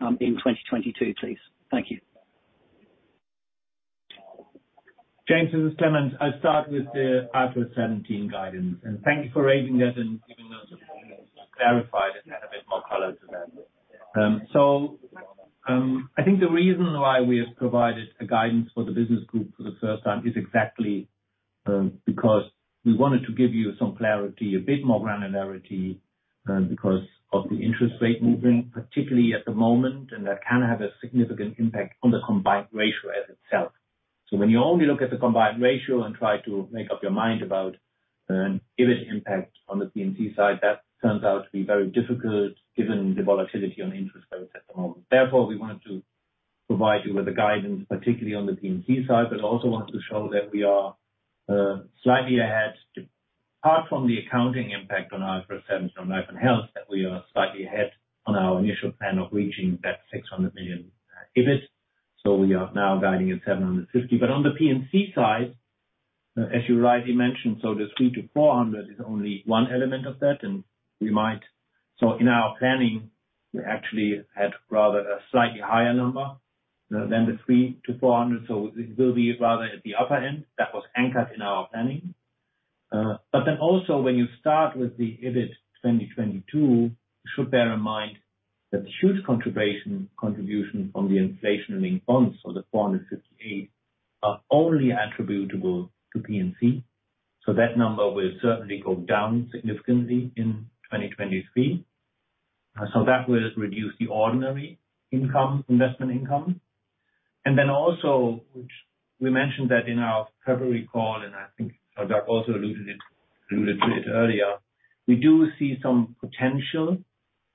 in 2022, please. Thank you. James, this is Clemens. I start with the IFRS 17 guidance, thank you for raising it and giving us a chance to clarify it and add a bit more color to that. I think the reason why we have provided a guidance for the business group for the first time is exactly because we wanted to give you some clarity, a bit more granularity, because of the interest rate movement, particularly at the moment, that can have a significant impact on the combined ratio as itself. When you only look at the combined ratio and try to make up your mind about EBIT impact on the P&C side, that turns out to be very difficult given the volatility on interest rates at the moment. We wanted to provide you with a guidance, particularly on the P&C side, but also wanted to show that we are slightly ahead apart from the accounting impact on IFRS 17 on life and health, that we are slightly ahead on our initial plan of reaching that 600 million EBIT. We are now guiding at 750. On the P&C side, as you rightly mentioned, the 300-400 is only one element of that. In our planning, we actually had rather a slightly higher number than the 300-400. It will be rather at the upper end. That was anchored in our planning. Also when you start with the EBIT 2022, you should bear in mind that the huge contribution from the inflation-linked bonds or the 458 are only attributable to P&C. That number will certainly go down significantly in 2023. That will reduce the ordinary income, investment income. Also, which we mentioned that in our February call, and I think Jacques also alluded to it earlier, we do see some potential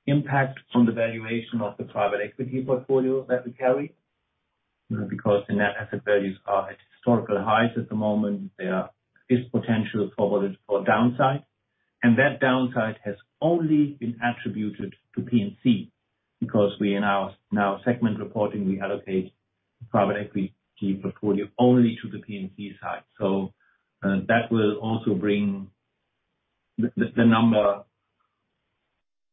impact on the valuation of the private equity portfolio that we carry, you know, because the net asset values are at historical highs at the moment. There is potential for it for downside, and that downside has only been attributed to P&C. We, in our now segment reporting, we allocate private equity portfolio only to the P&C side. That will also bring the number,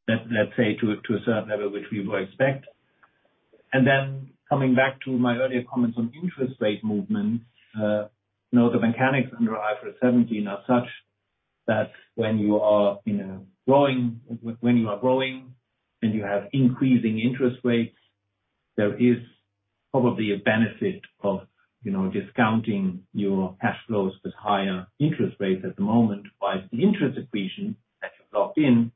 let's say, to a certain level which we would expect. Coming back to my earlier comments on interest rate movement, you know, the mechanics under IFRS 17 are such that when you are, you know, growing, when you are growing and you have increasing interest rates, there is probably a benefit of, you know, discounting your cash flows with higher interest rates at the moment, whilst the interest accretion that you're locked in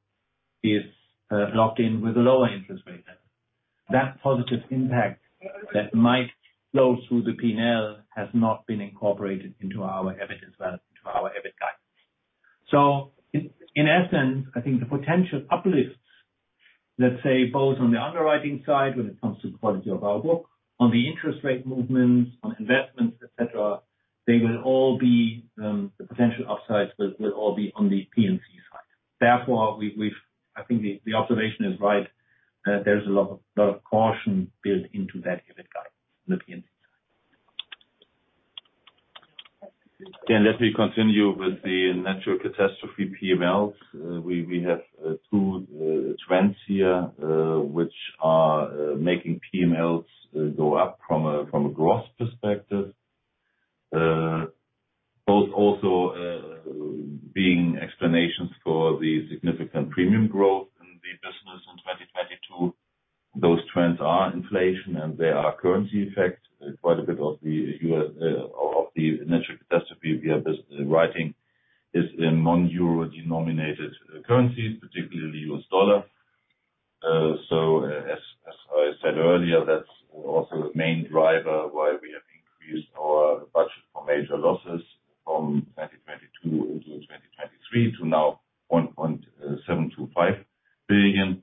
is locked in with a lower interest rate. That positive impact that might flow through the P&L has not been incorporated into our EBIT as well, to our EBIT guidance. In essence, I think the potential uplifts, let's say, both on the underwriting side when it comes to the quality of our book, on the interest rate movements, on investments, et cetera, they will all be, the potential upsides will all be on the P&C side. We've I think the observation is right, there's a lot of caution built into that EBIT guidance on the P&C side. Let me continue with the natural catastrophe PMLs. We have two trends here which are making PMLs go up from a growth perspective. Both also being explanations for the significant premium growth in the business in 2022. Those trends are inflation, and they are currency effect. Quite a bit of the natural catastrophe we are writing is in non-euro-denominated currencies, particularly U.S. dollar. As I said earlier, that's also the main driver why we have increased our budget for major losses from 2022 into 2023 to now 0.725 billion.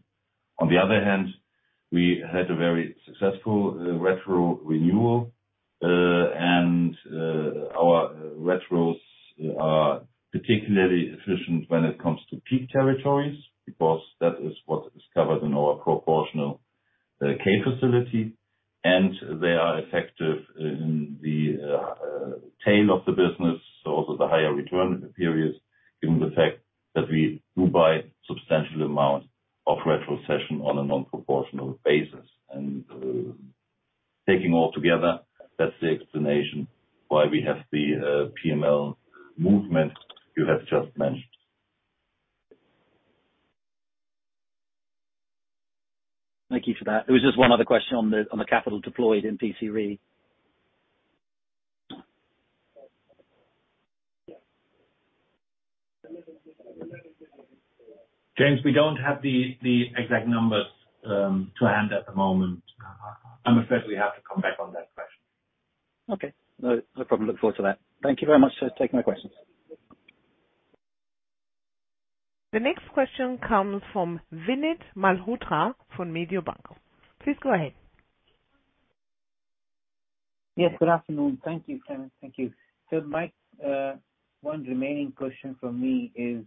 On the other hand, we had a very successful retro renewal. Our retros are particularly efficient when it comes to peak territories, because that is what is covered in our proportional cave facility, and they are effective in the tail of the business, so also the higher return periods, given the fact that we do buy substantial amount of retrocession on a non-proportional basis. Taking all together, that's the explanation why we have the PML movement you have just mentioned. Thank you for that. It was just one other question on the, on the capital deployed in PCRE. James, we don't have the exact numbers to hand at the moment. I'm afraid we have to come back on that question. Okay. No, no problem. Look forward to that. Thank you very much for taking my questions. The next question comes from Vinit Malhotra from Mediobanca. Please go ahead. Yes, good afternoon. Thank you, Clemens. Thank you. My one remaining question for me is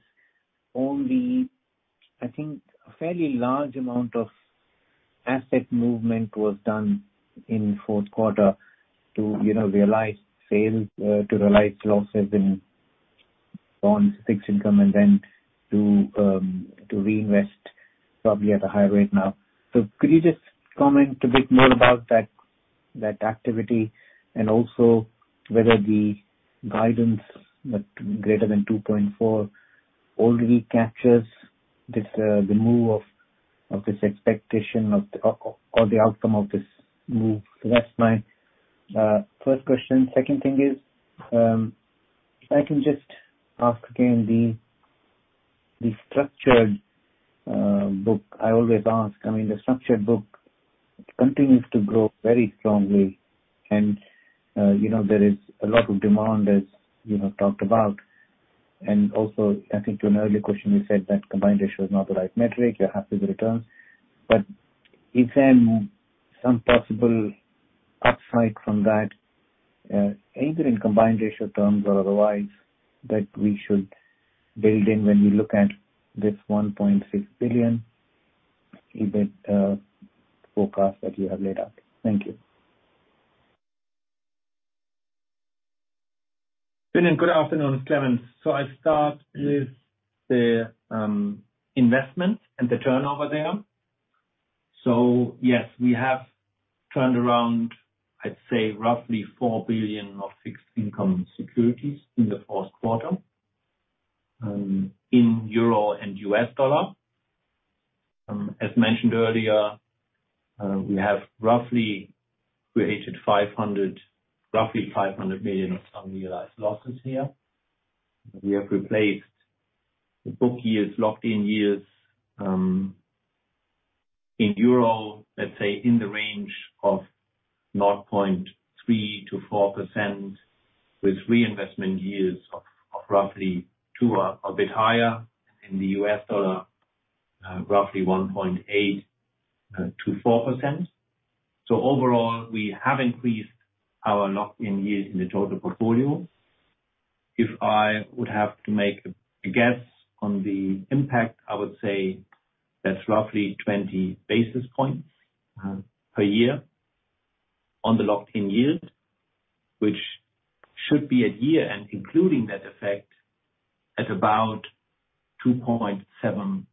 on the, I think, a fairly large amount of asset movement was done in fourth quarter to, you know, realize sales, to realize losses in bonds, fixed income, and then to reinvest probably at a higher rate now. Could you just comment a bit more about that activity, and also whether the guidance that greater than 2.4 already captures this, the move of this expectation or the outcome of this move? That's my first question. Second thing is, if I can just ask again the structured book. I always ask. I mean, the structured book continues to grow very strongly and, you know, there is a lot of demand, as you have talked about. Also, I think to an earlier question, you said that combined ratio is not the right metric. You're happy with the return. Is there some possible upside from that, either in combined ratio terms or otherwise that we should build in when we look at this 1.6 billion EBIT forecast that you have laid out? Thank you. Vinit, good afternoon. It's Clemens. I start with the investment and the turnover there. Yes, we have turned around, I'd say, roughly 4 billion of fixed income securities in the fourth quarter in euro and U.S. dollar. As mentioned earlier, we have roughly created 500 million of unrealized losses here. We have replaced the book years, locked-in years, in EUR, let's say, in the range of 0.3%-4% with reinvestment years of roughly 2% or a bit higher. In the USD, roughly 1.8%-4%. Overall, we have increased our locked-in years in the total portfolio. If I would have to make a guess on the impact, I would say that's roughly 20 basis points per year on the locked-in yield. Which should be a year, and including that effect, at about 2.75%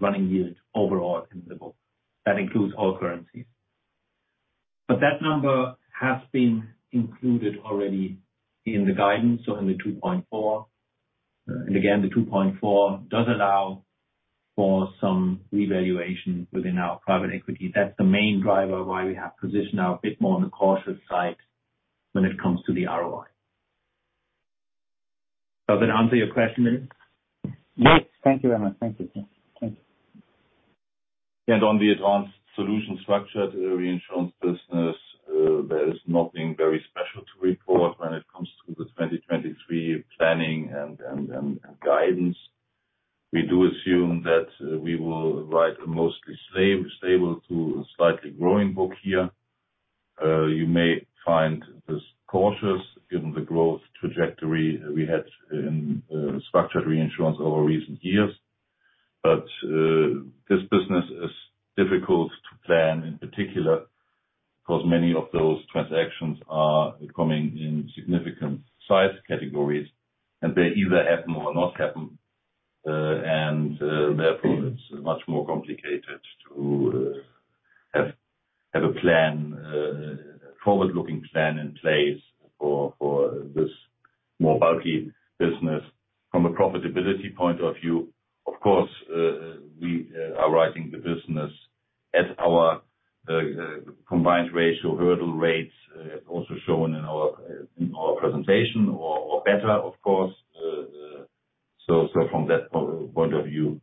running yield overall in the book. That includes all currencies. That number has been included already in the guidance, so in the 2.4%. Again, the 2.4 does allow for some revaluation within our private equity. That's the main driver why we have positioned our bit more on the cautious side when it comes to the ROI. Does that answer your question, Vinit? Yes. Thank you very much. Thank you. Thank you. On the Advanced Solutions structure to the reinsurance business, there is nothing very special to report when it comes to the 2023 planning and guidance. We do assume that we will write a mostly stable to slightly growing book here. You may find this cautious given the growth trajectory we had in structured reinsurance over recent years. This business is difficult to plan, in particular, because many of those transactions are coming in significant size categories, and they either happen or not happen. Therefore, it's much more complicated to have a plan, forward-looking plan in place for this more bulky business. From a profitability point of view, of course, we are writing the business at our combined ratio hurdle rates, also shown in our presentation, or better, of course. From that point of view,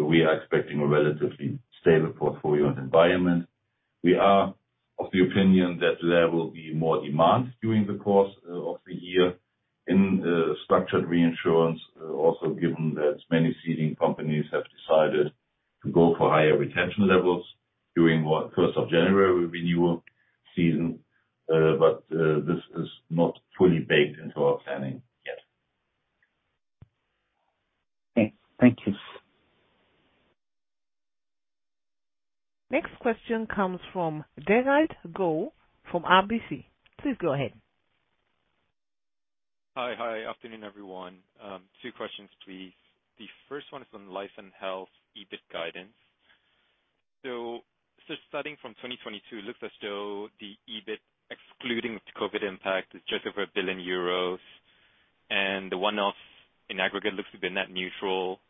we are expecting a relatively stable portfolio and environment. We are of the opinion that there will be more demand during the course of the year in structured reinsurance, also given that many seeding companies have decided to go for higher retention levels during what first of January renewal season. This is not fully baked into our planning yet. Okay. Thank you. Next question comes from Ben Cohen from RBC. Please go ahead. Hi. Hi. Afternoon, everyone. Two questions, please. The first one is on Life and Health EBIT guidance. Starting from 2022, looks as though the EBIT, excluding the COVID impact, is just over 1 billion euros. The one-off in aggregate looks to be net neutral.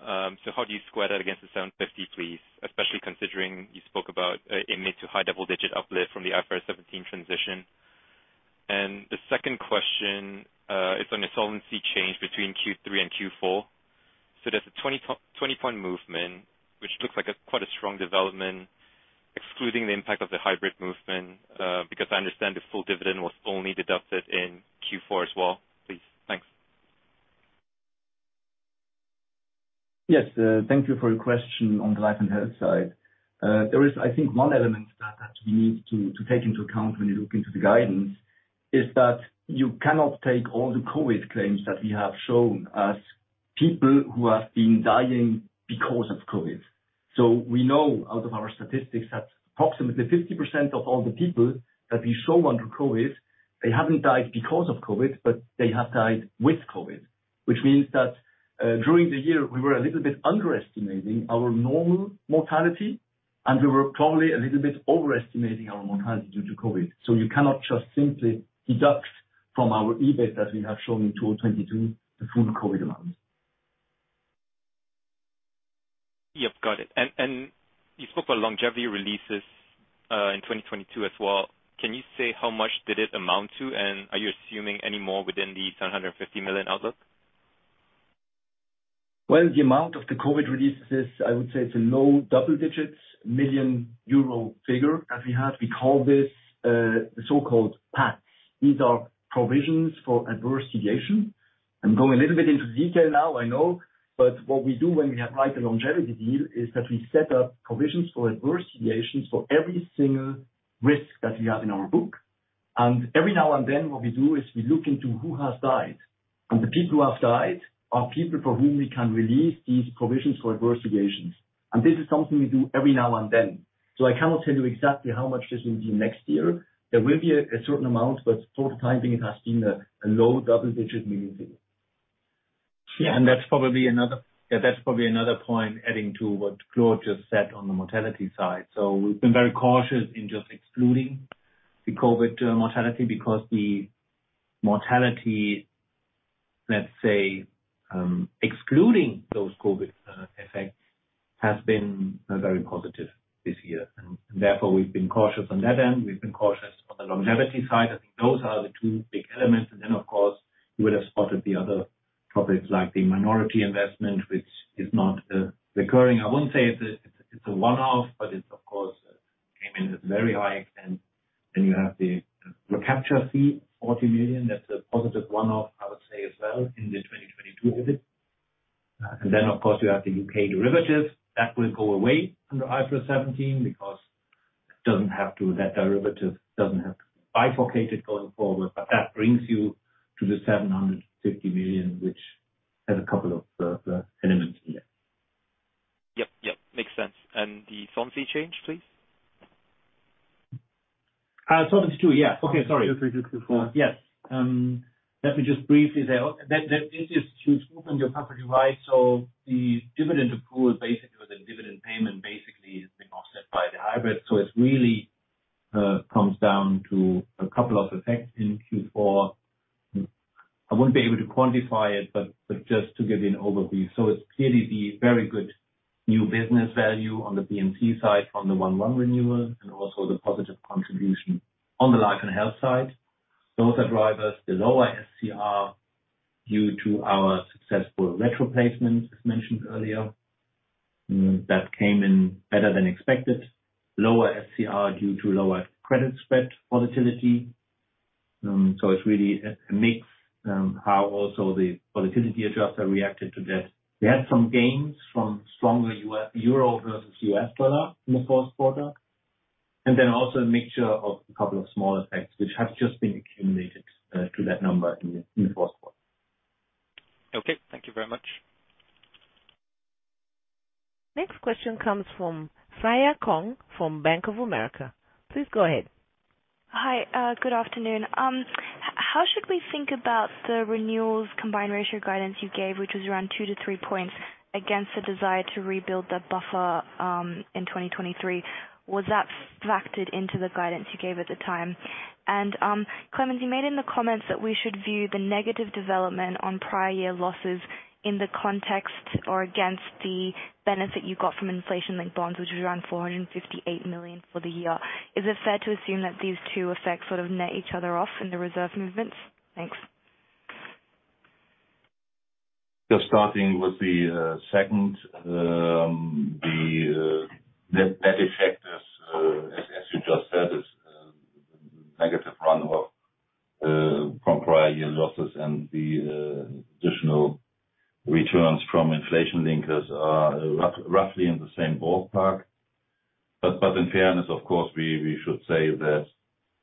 How do you square that against the 750, please, especially considering you spoke about a mid-to-high double-digit uplift from the IFRS 17 transition? The second question is on the solvency change between Q3 and Q4. There's a 20-point movement, which looks like quite a strong development, excluding the impact of the hybrid movement, because I understand the full dividend was only deducted in Q4 as well. Please. Thanks. Yes. Thank you for your question on the life and health side. There is, I think, one element that we need to take into account when you look into the guidance, is that you cannot take all the COVID claims that we have shown as people who have been dying because of COVID. We know out of our statistics that approximately 50% of all the people that we show under COVID, they haven't died because of COVID, but they have died with COVID. Which means that, during the year, we were a little bit underestimating our normal mortality, and we were probably a little bit overestimating our mortality due to COVID. You cannot just simply deduct from our EBIT, as we have shown in 2022, the full COVID amount. Yep. Got it. You spoke about longevity releases in 2022 as well. Can you say how much did it amount to, and are you assuming any more within the 750 million outlook? The amount of the COVID releases, I would say it's a low double-digit million euro figure that we had. We call this the so-called PADs. These are Provisions for Adverse Deviations. I'm going a little bit into detail now, I know, what we do when we have write a longevity deal is that we set up Provisions for Adverse Deviations for every single risk that we have in our book. Every now and then, what we do is we look into who has died. The people who have died are people for whom we can release these Provisions for Adverse Deviations. This is something we do every now and then. I cannot tell you exactly how much this will be next year. There will be a certain amount, but so far timing, it has been a low double-digit EUR million figure. That's probably another point adding to what Claude just said on the mortality side. We've been very cautious in just excluding the COVID mortality because the mortality Let's say, excluding those COVID effects has been very positive this year. Therefore, we've been cautious on that end. We've been cautious on the longevity side. I think those are the two big elements. Then, of course, you would have spotted the other topics like the minority investment, which is not recurring. I wouldn't say it's a one-off, but it, of course, came in at very high. And you have the recapture fee, 40 million. That's a positive one-off, I would say, as well, in the 2022 EBIT. Then, of course, you have the UK derivatives. That will go away under IFRS 17 because it doesn't have to. That derivative doesn't have to be bifurcated going forward. That brings you to the 750 million, which has a couple of elements in there. Yep. Makes sense. The Solvency change, please. Solvency, too. Yeah. Okay, sorry. Q 3, Q 4. Yes. Let me just briefly say, that is to scoop into your property, right? The dividend accrual, basically, or the dividend payment, has been offset by the hybrid. It really comes down to a couple of effects in Q4. I wouldn't be able to quantify it, but just to give you an overview. It's clearly the very good new business value on the VNB side from the 1/1 renewal and also the positive contribution on the life and health side. Those are drivers. The lower SCR due to our successful retro placements, as mentioned earlier. That came in better than expected. Lower SCR due to lower credit spread volatility. It's really a mix how also the volatility adjustment reacted to that. We had some gains from stronger euro versus US dollar in the fourth quarter. Also a mixture of a couple of small effects which have just been accumulated to that number in the fourth quarter. Okay, thank you very much. Next question comes from Freya Kong from Bank of America. Please go ahead. Hi, good afternoon. How should we think about the renewals combined ratio guidance you gave, which was around 2-3 points against the desire to rebuild the buffer in 2023? Was that factored into the guidance you gave at the time? Clemens, you made in the comments that we should view the negative development on prior year losses in the context or against the benefit you got from inflation-linked bonds, which was around 458 million for the year. Is it fair to assume that these two effects sort of net each other off in the reserve movements? Thanks. Just starting with the second. The net effect is as you just said, is negative run-off from prior year losses, and the additional returns from inflation linkers are roughly in the same ballpark. In fairness, of course, we should say that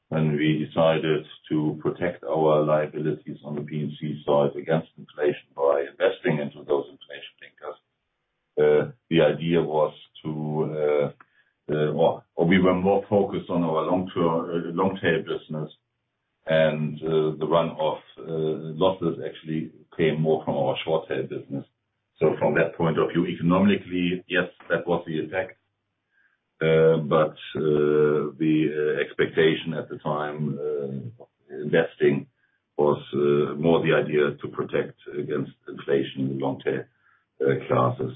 when we decided to protect our liabilities on the P&C side against inflation by investing into those inflation linkers, we were more focused on our long-term long-tail business. The run-off losses actually came more from our short-tail business. From that point of view, economically, yes, that was the effect. The expectation at the time investing was more the idea to protect against inflation in long-tail classes.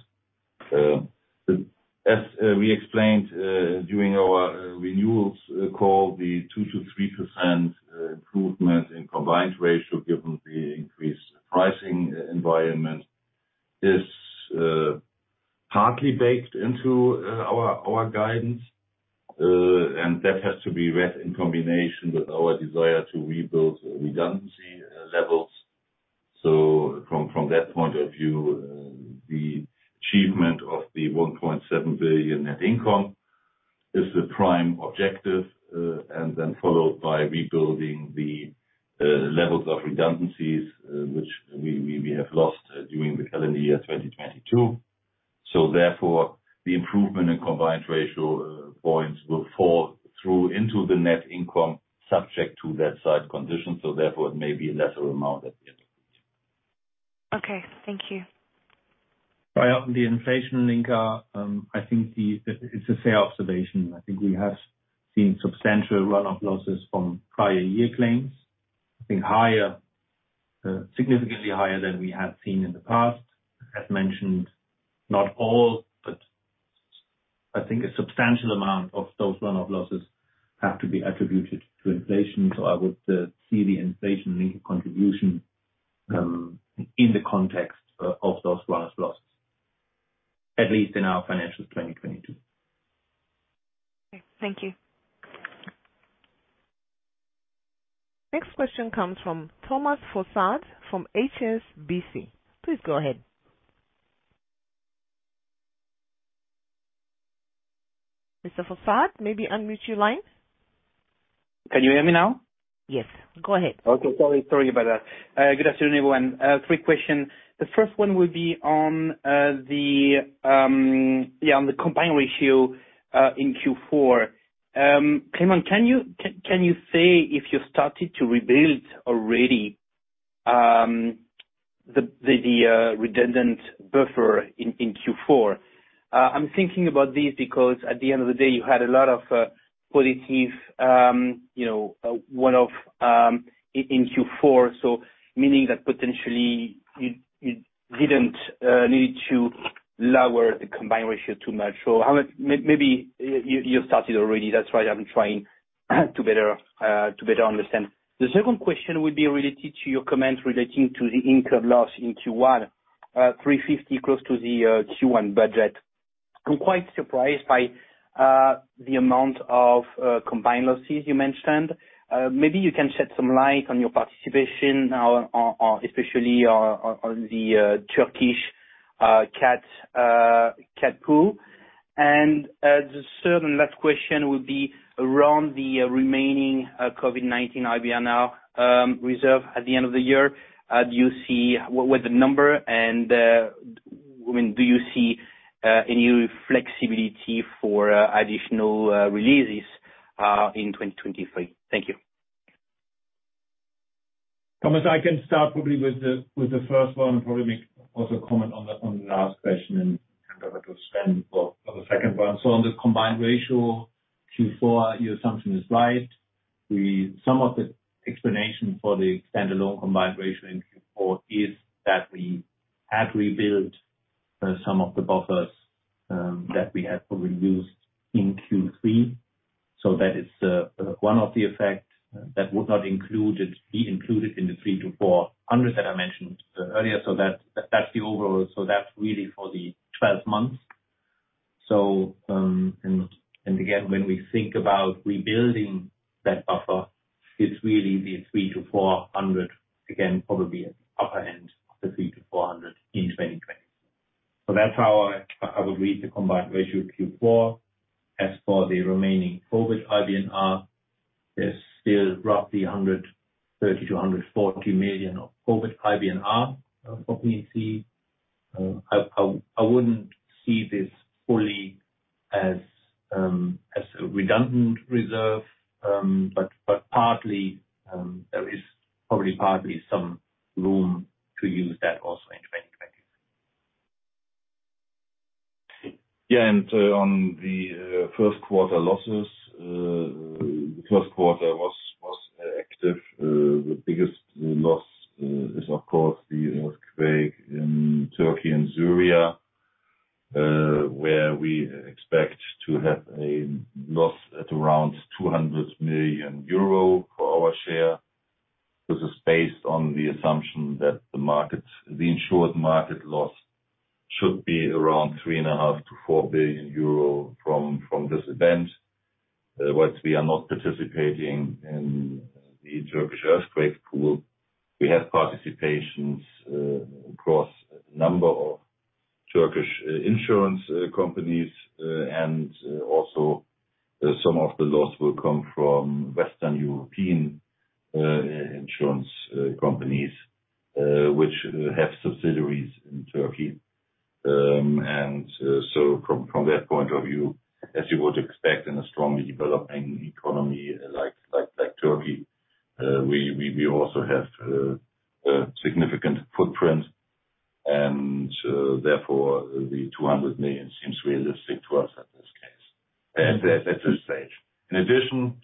As we explained during our renewals call, the 2%-3% improvement in combined ratio given the increased pricing environment is partly baked into our guidance. That has to be read in combination with our desire to rebuild redundancy levels. From that point of view, the achievement of the 1.7 billion net income is the prime objective, and then followed by rebuilding the levels of redundancies which we have lost during the calendar year 2022. Therefore, the improvement in combined ratio points will fall through into the net income subject to that side condition. Therefore, it may be a lesser amount at the end. Okay. Thank you. Freya, on the inflation linker, I think it's a fair observation. I think we have seen substantial run-off losses from prior year claims, I think higher, significantly higher than we have seen in the past. As mentioned, not all, but I think a substantial amount of those run-off losses have to be attributed to inflation. I would see the inflation linker contribution in the context of those run-off losses, at least in our financials 2022. Okay. Thank you. Next question comes from Thomas Fossard from HSBC. Please go ahead. Mr. Fossard, maybe unmute your line. Can you hear me now? Yes. Go ahead. Okay. Sorry. Sorry about that. good afternoon, everyone. three questions. The first one will be on the, on the combined ratio in Q4. Clemens, can you say if you started to rebuild already the redundant buffer in Q4? I'm thinking about this because at the end of the day, you had a lot of positive, you know, one-off in Q4, so meaning that potentially you didn't need to lower the combined ratio too much. So how much-- you started already. That's why I'm trying to better understand. The second question would be related to your comments relating to the incurred loss in Q1, 350 close to the Q1 budget. I'm quite surprised by the amount of combined losses you mentioned. Maybe you can shed some light on your participation now on, especially on the Turkish cat pool. The third and last question would be around the remaining COVID-19 IBNR reserve at the end of the year. What was the number, and I mean, do you see any flexibility for additional releases in 2023? Thank you. Thomas, I can start with the first one and probably make also comment on the last question and have to spend for the second one. On the combined ratio Q4, your assumption is right. Some of the explanation for the standalone combined ratio in Q4 is that we had rebuilt some of the buffers that we had probably used in Q3. That is one of the effect that would not be included in the 300-400 that I mentioned earlier. That's the overall. That's really for the 12 months. And again, when we think about rebuilding that buffer, it's really the 300-400, again, probably at the upper end of the 300-400 in 2023. That's how I would read the combined ratio Q4. As for the remaining COVID IBNR, there's still roughly 130-140 million of COVID IBNR for P&C. I wouldn't see this fully as a redundant reserve, but partly, there is probably partly some room to use that also in 2023. On the first quarter losses, the first quarter was active. The biggest loss is of course the earthquake in Turkey and Syria, where we expect to have a loss at around 200 million euro for our share. This is based on the assumption that the market, the insured market loss should be around 3.5 billion-4 billion euro from this event. Whilst we are not participating in the Turkish Catastrophe Insurance Pool, we have participations across a number of Turkish insurance companies. And also, some of the loss will come from Western European insurance companies, which have subsidiaries in Turkey. So from that point of view, as you would expect in a strongly developing economy like Turkey, we also have a significant footprint, and therefore, the 200 million seems realistic to us at this stage. In addition,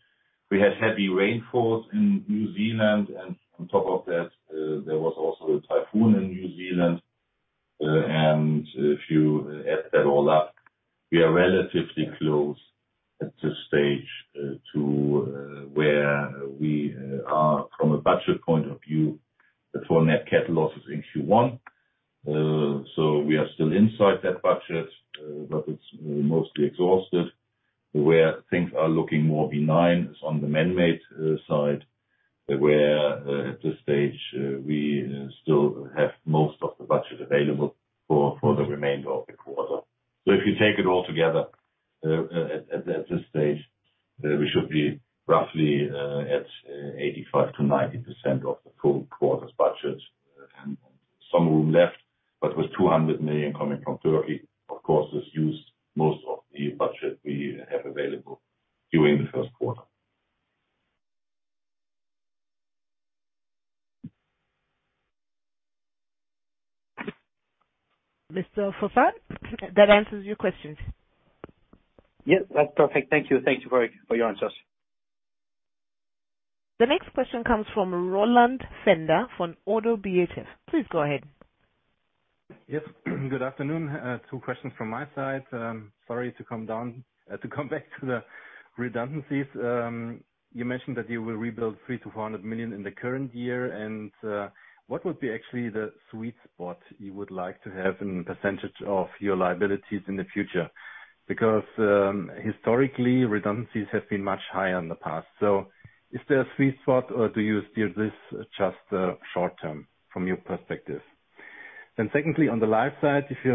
we had heavy rainfalls in New Zealand, and on top of that, there was also a typhoon in New Zealand. If you add that all up, we are relatively close at this stage, to where we are from a budget point of view for net cat losses in Q1. We are still inside that budget, but it's mostly exhausted. Where things are looking more benign is on the man-made side, where at this stage, we still have most of the budget available for the remainder of the quarter. If you take it all together, at this stage, we should be roughly at 85%-90% of the full quarter's budget and some room left. With 200 million coming from Turkey, of course, this used most of the budget we have available during the first quarter. Mr. Fossard, that answers your questions? Yeah. That's perfect. Thank you. Thank you for your answers. The next question comes from Roland Pfänder from ODDO BHF. Please go ahead. Yes. Good afternoon. Two questions from my side. Sorry to come back to the redundancies. You mentioned that you will rebuild 300 million-400 million in the current year. What would be actually the sweet spot you would like to have in percentage of your liabilities in the future? Because historically, redundancies have been much higher in the past. Is there a sweet spot or do you see this just short-term from your perspective? Secondly, on the life side, if you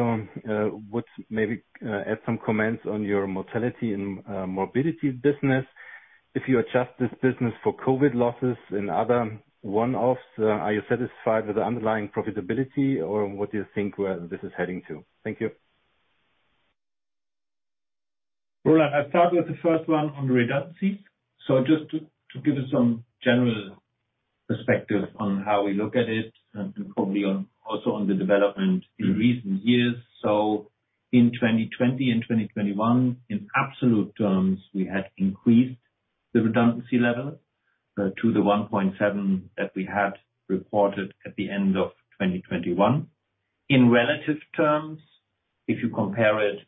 would maybe add some comments on your mortality and morbidity business. If you adjust this business for COVID losses and other one-offs, are you satisfied with the underlying profitability, or what do you think where this is heading to? Thank you. Roland, I start with the first one on the redundancies. Just to give you some general perspective on how we look at it and probably also on the development in recent years. In 2020 and 2021, in absolute terms, we had increased the redundancy level to the 1.7 that we had reported at the end of 2021. In relative terms, if you compare it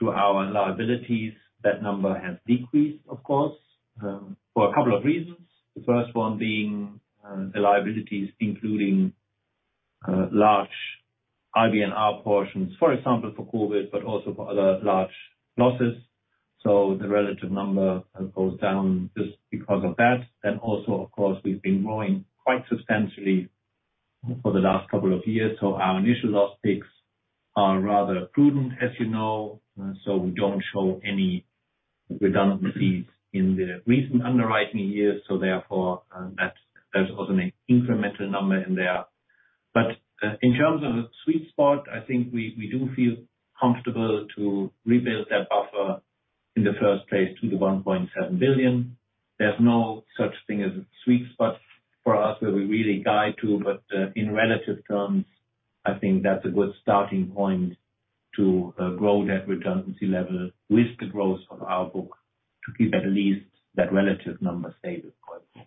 to our liabilities, that number has decreased, of course, for a couple of reasons. The first one being the liabilities, including large IBNR portions, for example, for COVID, but also for other large losses. The relative number goes down just because of that. Also, of course, we've been growing quite substantially for the last couple of years. Our initial loss picks are rather prudent, as you know, so we don't show any redundancies in the recent underwriting years. Therefore, that's also an incremental number in there. In terms of a sweet spot, I think we do feel comfortable to rebuild that buffer in the first place to the 1.7 billion. There's no such thing as a sweet spot for us that we really guide to. In relative terms, I think that's a good starting point to grow that redundancy level with the growth on our book to keep at least that relative number stable going forward.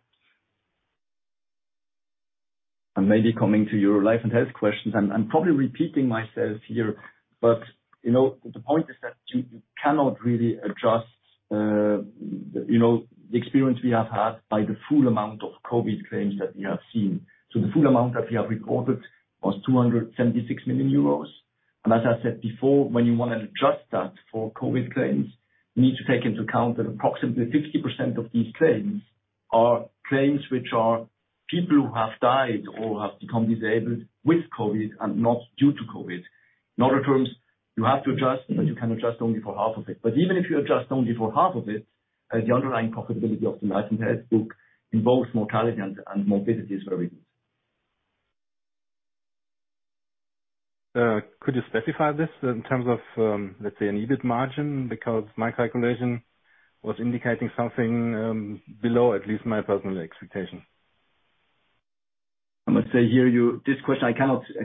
Maybe coming to your life and health questions, I'm probably repeating myself here, but, you know, the point is that you cannot really adjust, you know, the experience we have had by the full amount of COVID claims that we have seen. The full amount that we have reported was 276 million euros. As I said before, when you wanna adjust that for COVID claims, you need to take into account that approximately 50% of these claims are claims which are people who have died or have become disabled with COVID and not due to COVID. In other terms, you have to adjust, but you can adjust only for half of it. Even if you adjust only for half of it, the underlying profitability of the life and health book in both mortality and morbidity is very good. Could you specify this in terms of, let's say, an EBIT margin? Because my calculation was indicating something below, at least my personal expectation. I must say here, this question, I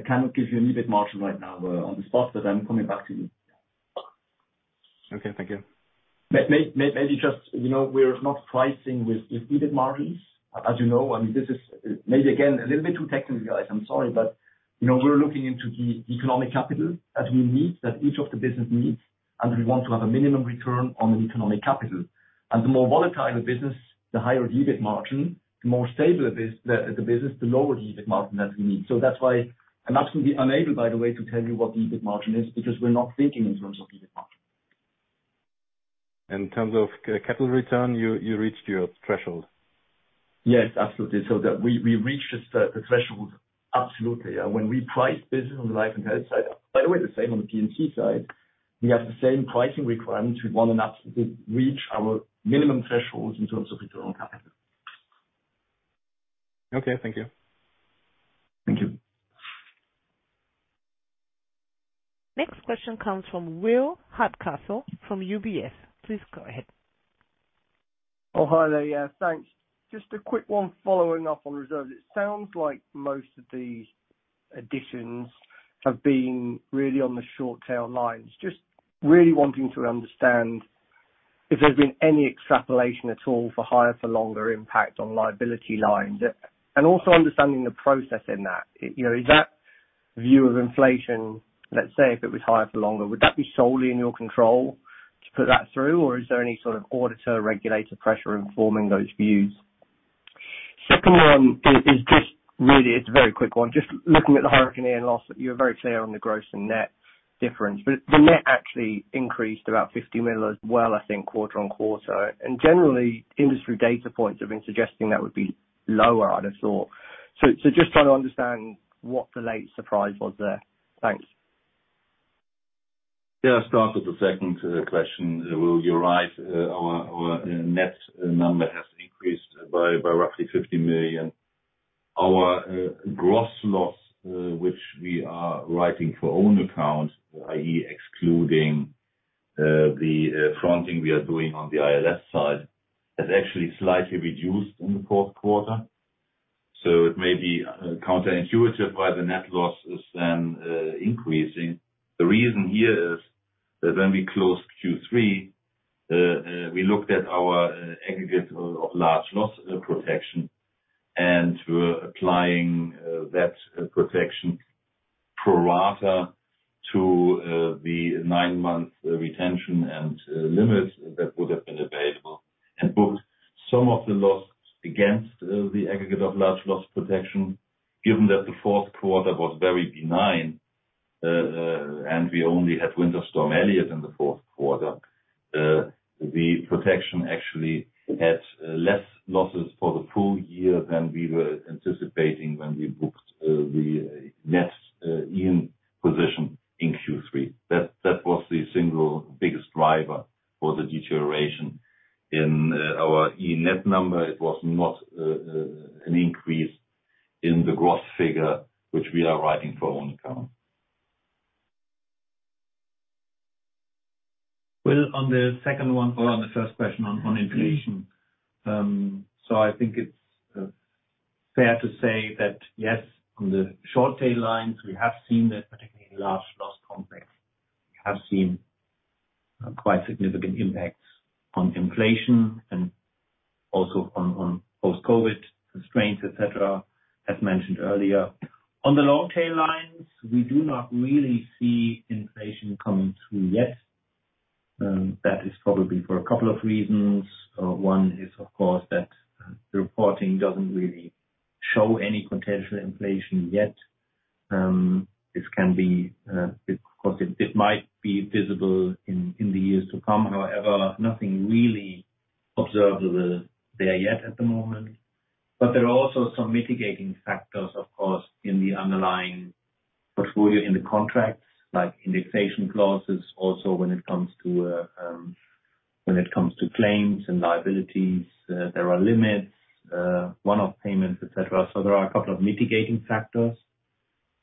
cannot give you an EBIT margin right now, on the spot, but I'm coming back to you. Okay, thank you. Maybe just, you know, we're not pricing with EBIT margins. As you know, I mean, this is maybe again, a little bit too technical, guys. I'm sorry, but, you know, we're looking into the economic capital that we need, that each of the business needs, and we want to have a minimum return on economic capital. The more volatile the business, the higher the EBIT margin. The more stable it is, the business, the lower the EBIT margin that we need. That's why I'm absolutely unable, by the way, to tell you what the EBIT margin is, because we're not thinking in terms of EBIT margin. In terms of capital return, you reached your threshold. Yes, absolutely. That we reached the threshold absolutely. When we price business on the life and health side, by the way, the same on the P&C side, we have the same pricing requirements. We wanna absolutely reach our minimum thresholds in terms of economic capital. Okay, thank you. Thank you. Next question comes from Will Hardcastle from UBS. Please go ahead. Oh, hi there. Yeah, thanks. Just a quick one following up on reserves. It sounds like most of the additions have been really on the short tail lines. Just really wanting to understand if there's been any extrapolation at all for higher for longer impact on liability lines. Also understanding the process in that. You know, is that view of inflation, let's say, if it was higher for longer, would that be solely in your control to put that through? Is there any sort of auditor regulator pressure informing those views? Second one is just really, it's a very quick one. Just looking at the Hurricane Ian loss, you're very clear on the gross and net difference. The net actually increased about 50 million as well, I think, quarter-on-quarter. Generally, industry data points have been suggesting that would be lower, I'd have thought. Just trying to understand what the late surprise was there. Thanks. Yeah, I'll start with the second question. Will, you're right. Our net number has increased by roughly 50 million. Our gross loss, which we are writing for own account, i.e., excluding the fronting we are doing on the ILS side, has actually slightly reduced in the fourth quarter. It may be counterintuitive why the net loss is then increasing. The reason here is that when we closed Q3, we looked at our aggregate of large loss protection, and we were applying that protection pro rata to the 9-month retention and limits that would have been available. Booked some of the loss against the aggregate of large loss protection. Given that the fourth quarter was very benign, and we only had Winter Storm Elliott in the fourth quarter, the protection actually had less losses for the full year than we were anticipating when we booked, the net Ian position in Q3. That was the single biggest driver for the deterioration in our Ian net number. It was not an increase in the gross figure which we are writing for our own account. On the second one or on the first question on inflation. I think it's fair to say that yes, on the short tail lines, we have seen that, particularly in large loss complex. We have seen quite significant impacts on inflation and also on post-COVID constraints, et cetera, as mentioned earlier. On the long tail lines, we do not really see inflation coming through yet. That is probably for a couple of reasons. One is of course that the reporting doesn't really show any potential inflation yet. This can be, of course, it might be visible in the years to come. However, nothing really observable there yet at the moment. There are also some mitigating factors, of course, in the underlying portfolio in the contracts, like indexation clauses. Also, when it comes to claims and liabilities, there are limits, one-off payments, et cetera. There are a couple of mitigating factors.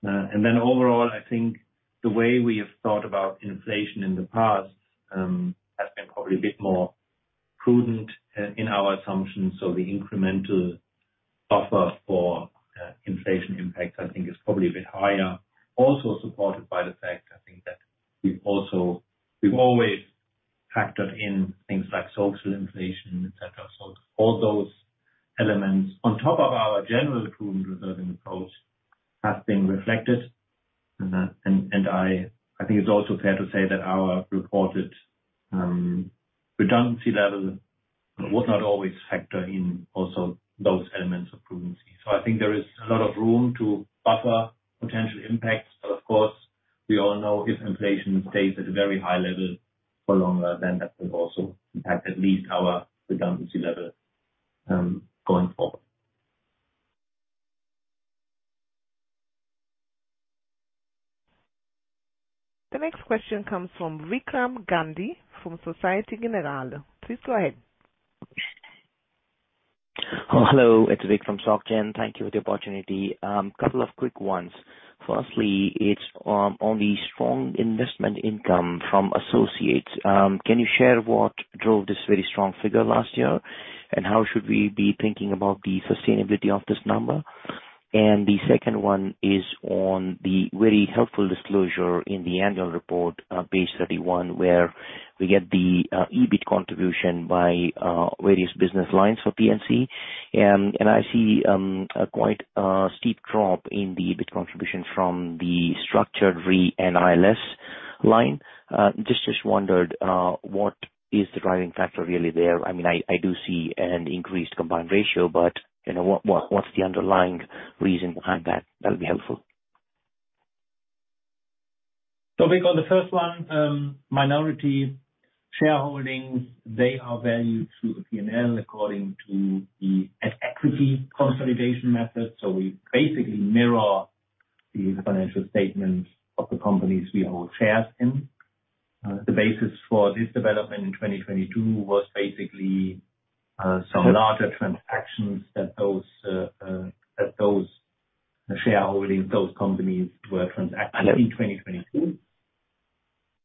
Overall, I think the way we have thought about inflation in the past has been probably a bit more prudent in our assumptions. The incremental buffer for inflation impact, I think is probably a bit higher. Also supported by the fact, I think that we've always factored in things like social inflation, et cetera. All those elements on top of our general improvement reserving approach has been reflected. And I think it's also fair to say that our reported redundancy level would not always factor in also those elements of prudency. I think there is a lot of room to buffer potential impacts. We all know if inflation stays at a very high level for longer, then that will also impact at least our redundancy level, going forward. The next question comes from Vikram Gandhi from Société Générale. Please go ahead. Hello. It's Vik from Société Générale. Thank you for the opportunity. Couple of quick ones. Firstly, it's on the strong investment income from associates. Can you share what drove this very strong figure last year? How should we be thinking about the sustainability of this number? The second one is on the very helpful disclosure in the annual report, page 31, where we get the EBIT contribution by various business lines for PNC. I see a quite steep drop in the EBIT contribution from the structured re and ILS line. Just wondered, what is the driving factor really there? I mean, I do see an increased combined ratio, you know, what's the underlying reason behind that? That'll be helpful. Vik, on the first one, minority shareholdings, they are valued through the P&L according to the at equity consolidation method. We basically mirror the financial statements of the companies we hold shares in. The basis for this development in 2022 was basically, some larger transactions that those shareholdings, those companies were transacted in 2022.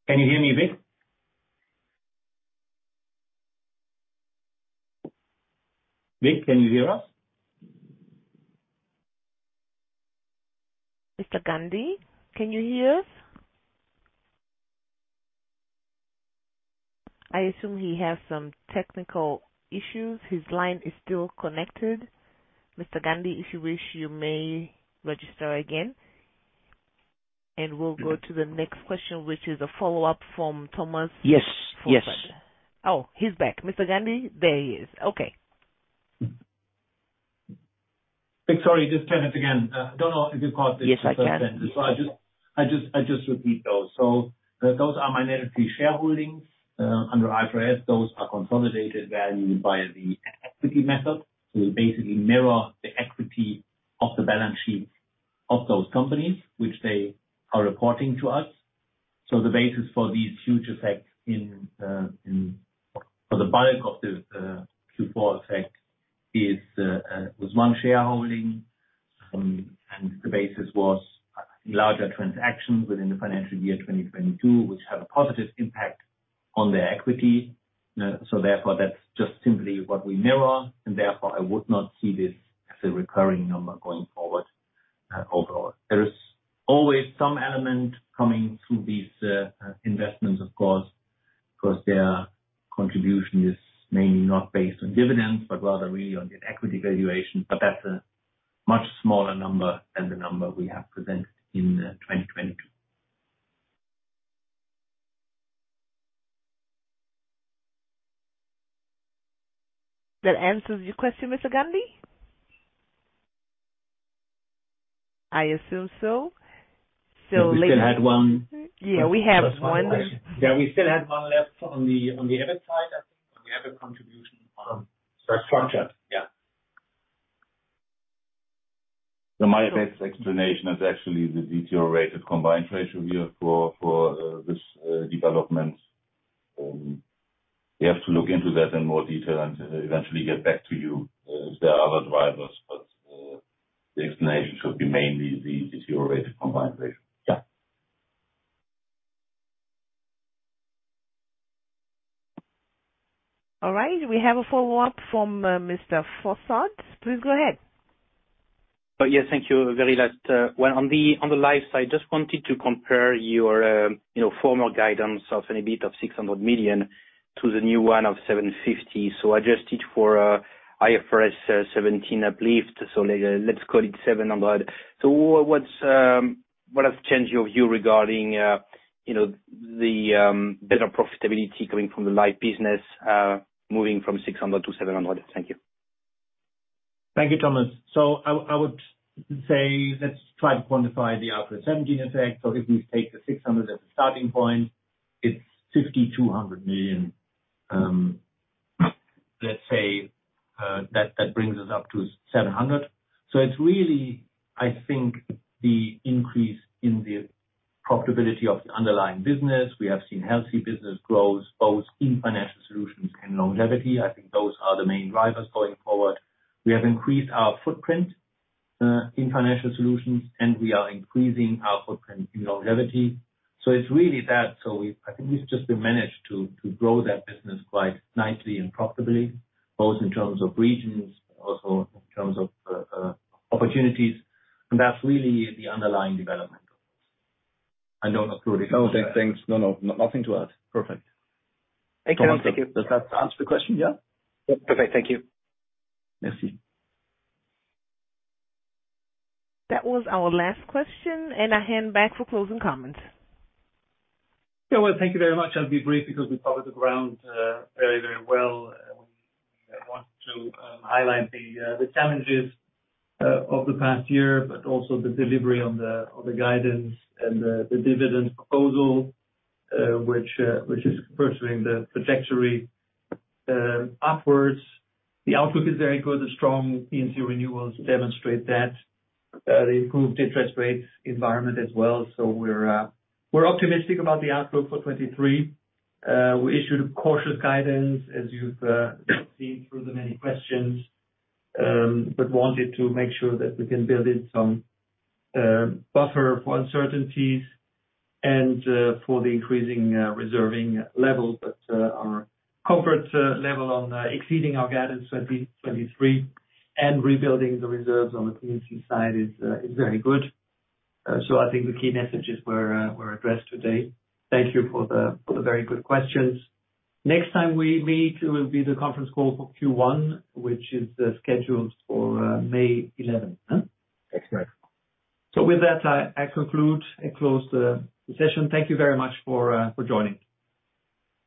Can you hear me, Vik? Vik, can you hear us? Mr. Gandhi, can you hear us? I assume he has some technical issues. His line is still connected. Mr. Gandhi, if you wish, you may register again, and we'll go to the next question, which is a follow-up from Thomas. Yes. Yes. He's back. Mr. Gandhi? There he is. Okay. Sorry, just turn it again. Don't know if you caught the first sentence. Yes, I can. I just repeat those. Those are minority shareholdings, under IFRS. Those are consolidated value by the equity method. We basically mirror the equity of the balance sheet of those companies which they are reporting to us. The basis for these huge effects for the bulk of the Q4 effect was 1 shareholding and the basis was larger transactions within the financial year 2022, which have a positive impact on their equity. Therefore, that's just simply what we mirror. Therefore, I would not see this as a recurring number going forward, overall. There is always some element coming through these investments, of course. Of course, their contribution is mainly not based on dividends, but rather really on the equity valuation. That's a much smaller number than the number we have presented in, 2022. That answers your question, Mr. Gandhi? I assume so. We still had one. Yeah, we have one. Yeah, we still had one left on the EBIT side, I think, on the EBIT contribution on structured. Yeah. My best explanation is actually the deteriorated combined ratio here for this development. We have to look into that in more detail and eventually get back to you. There are other drivers, but, the explanation should be mainly the zero rate combination. Yeah. All right. We have a follow-up from Mr. Fossard. Please go ahead. Yes. Thank you very last. Well, on the, on the life side, just wanted to compare your, you know, formal guidance of an EBIT of 600 million to the new one of 750. Adjusted for, IFRS 17 uplift. Let's call it 700. What, what's, what has changed your view regarding, you know, the, better profitability coming from the life business, moving from 600 to 700? Thank you. Thank you, Thomas. I would say let's try to quantify the IFRS 17 effect. If we take the 600 as a starting point, it's 5,200 million, let's say, that brings us up to 700. It's really, I think, the increase in the profitability of the underlying business. We have seen healthy business growth, both in financial solutions and longevity. I think those are the main drivers going forward. We have increased our footprint in financial solutions, and we are increasing our footprint in longevity. It's really that. I think we've just managed to grow that business quite nicely and profitably, both in terms of regions, also in terms of opportunities. That's really the underlying development. I don't know if Rudy wants to- No, thanks. No, no. Nothing to add. Perfect. Thank you. Thank you. Does that answer the question, yeah? Yeah. Perfect. Thank you. Merci. That was our last question, and I hand back for closing comments. Well, thank you very much. I'll be brief because we covered the ground very, very well. We want to highlight the challenges of the past year, but also the delivery on the guidance and the dividend proposal, which is pursuing the trajectory upwards. The outlook is very good. The strong P&C renewals demonstrate that. The improved interest rates environment as well. We're optimistic about the outlook for 23. We issued a cautious guidance, as you've seen through the many questions, but wanted to make sure that we can build in some buffer for uncertainties and for the increasing reserving level. Our comfort level on exceeding our guidance 2023 and rebuilding the reserves on the P&C side is very good. I think the key messages were addressed today. Thank you for the, for the very good questions. Next time we meet will be the conference call for Q1, which is scheduled for May 11. That's correct. With that, I conclude and close the session. Thank you very much for joining.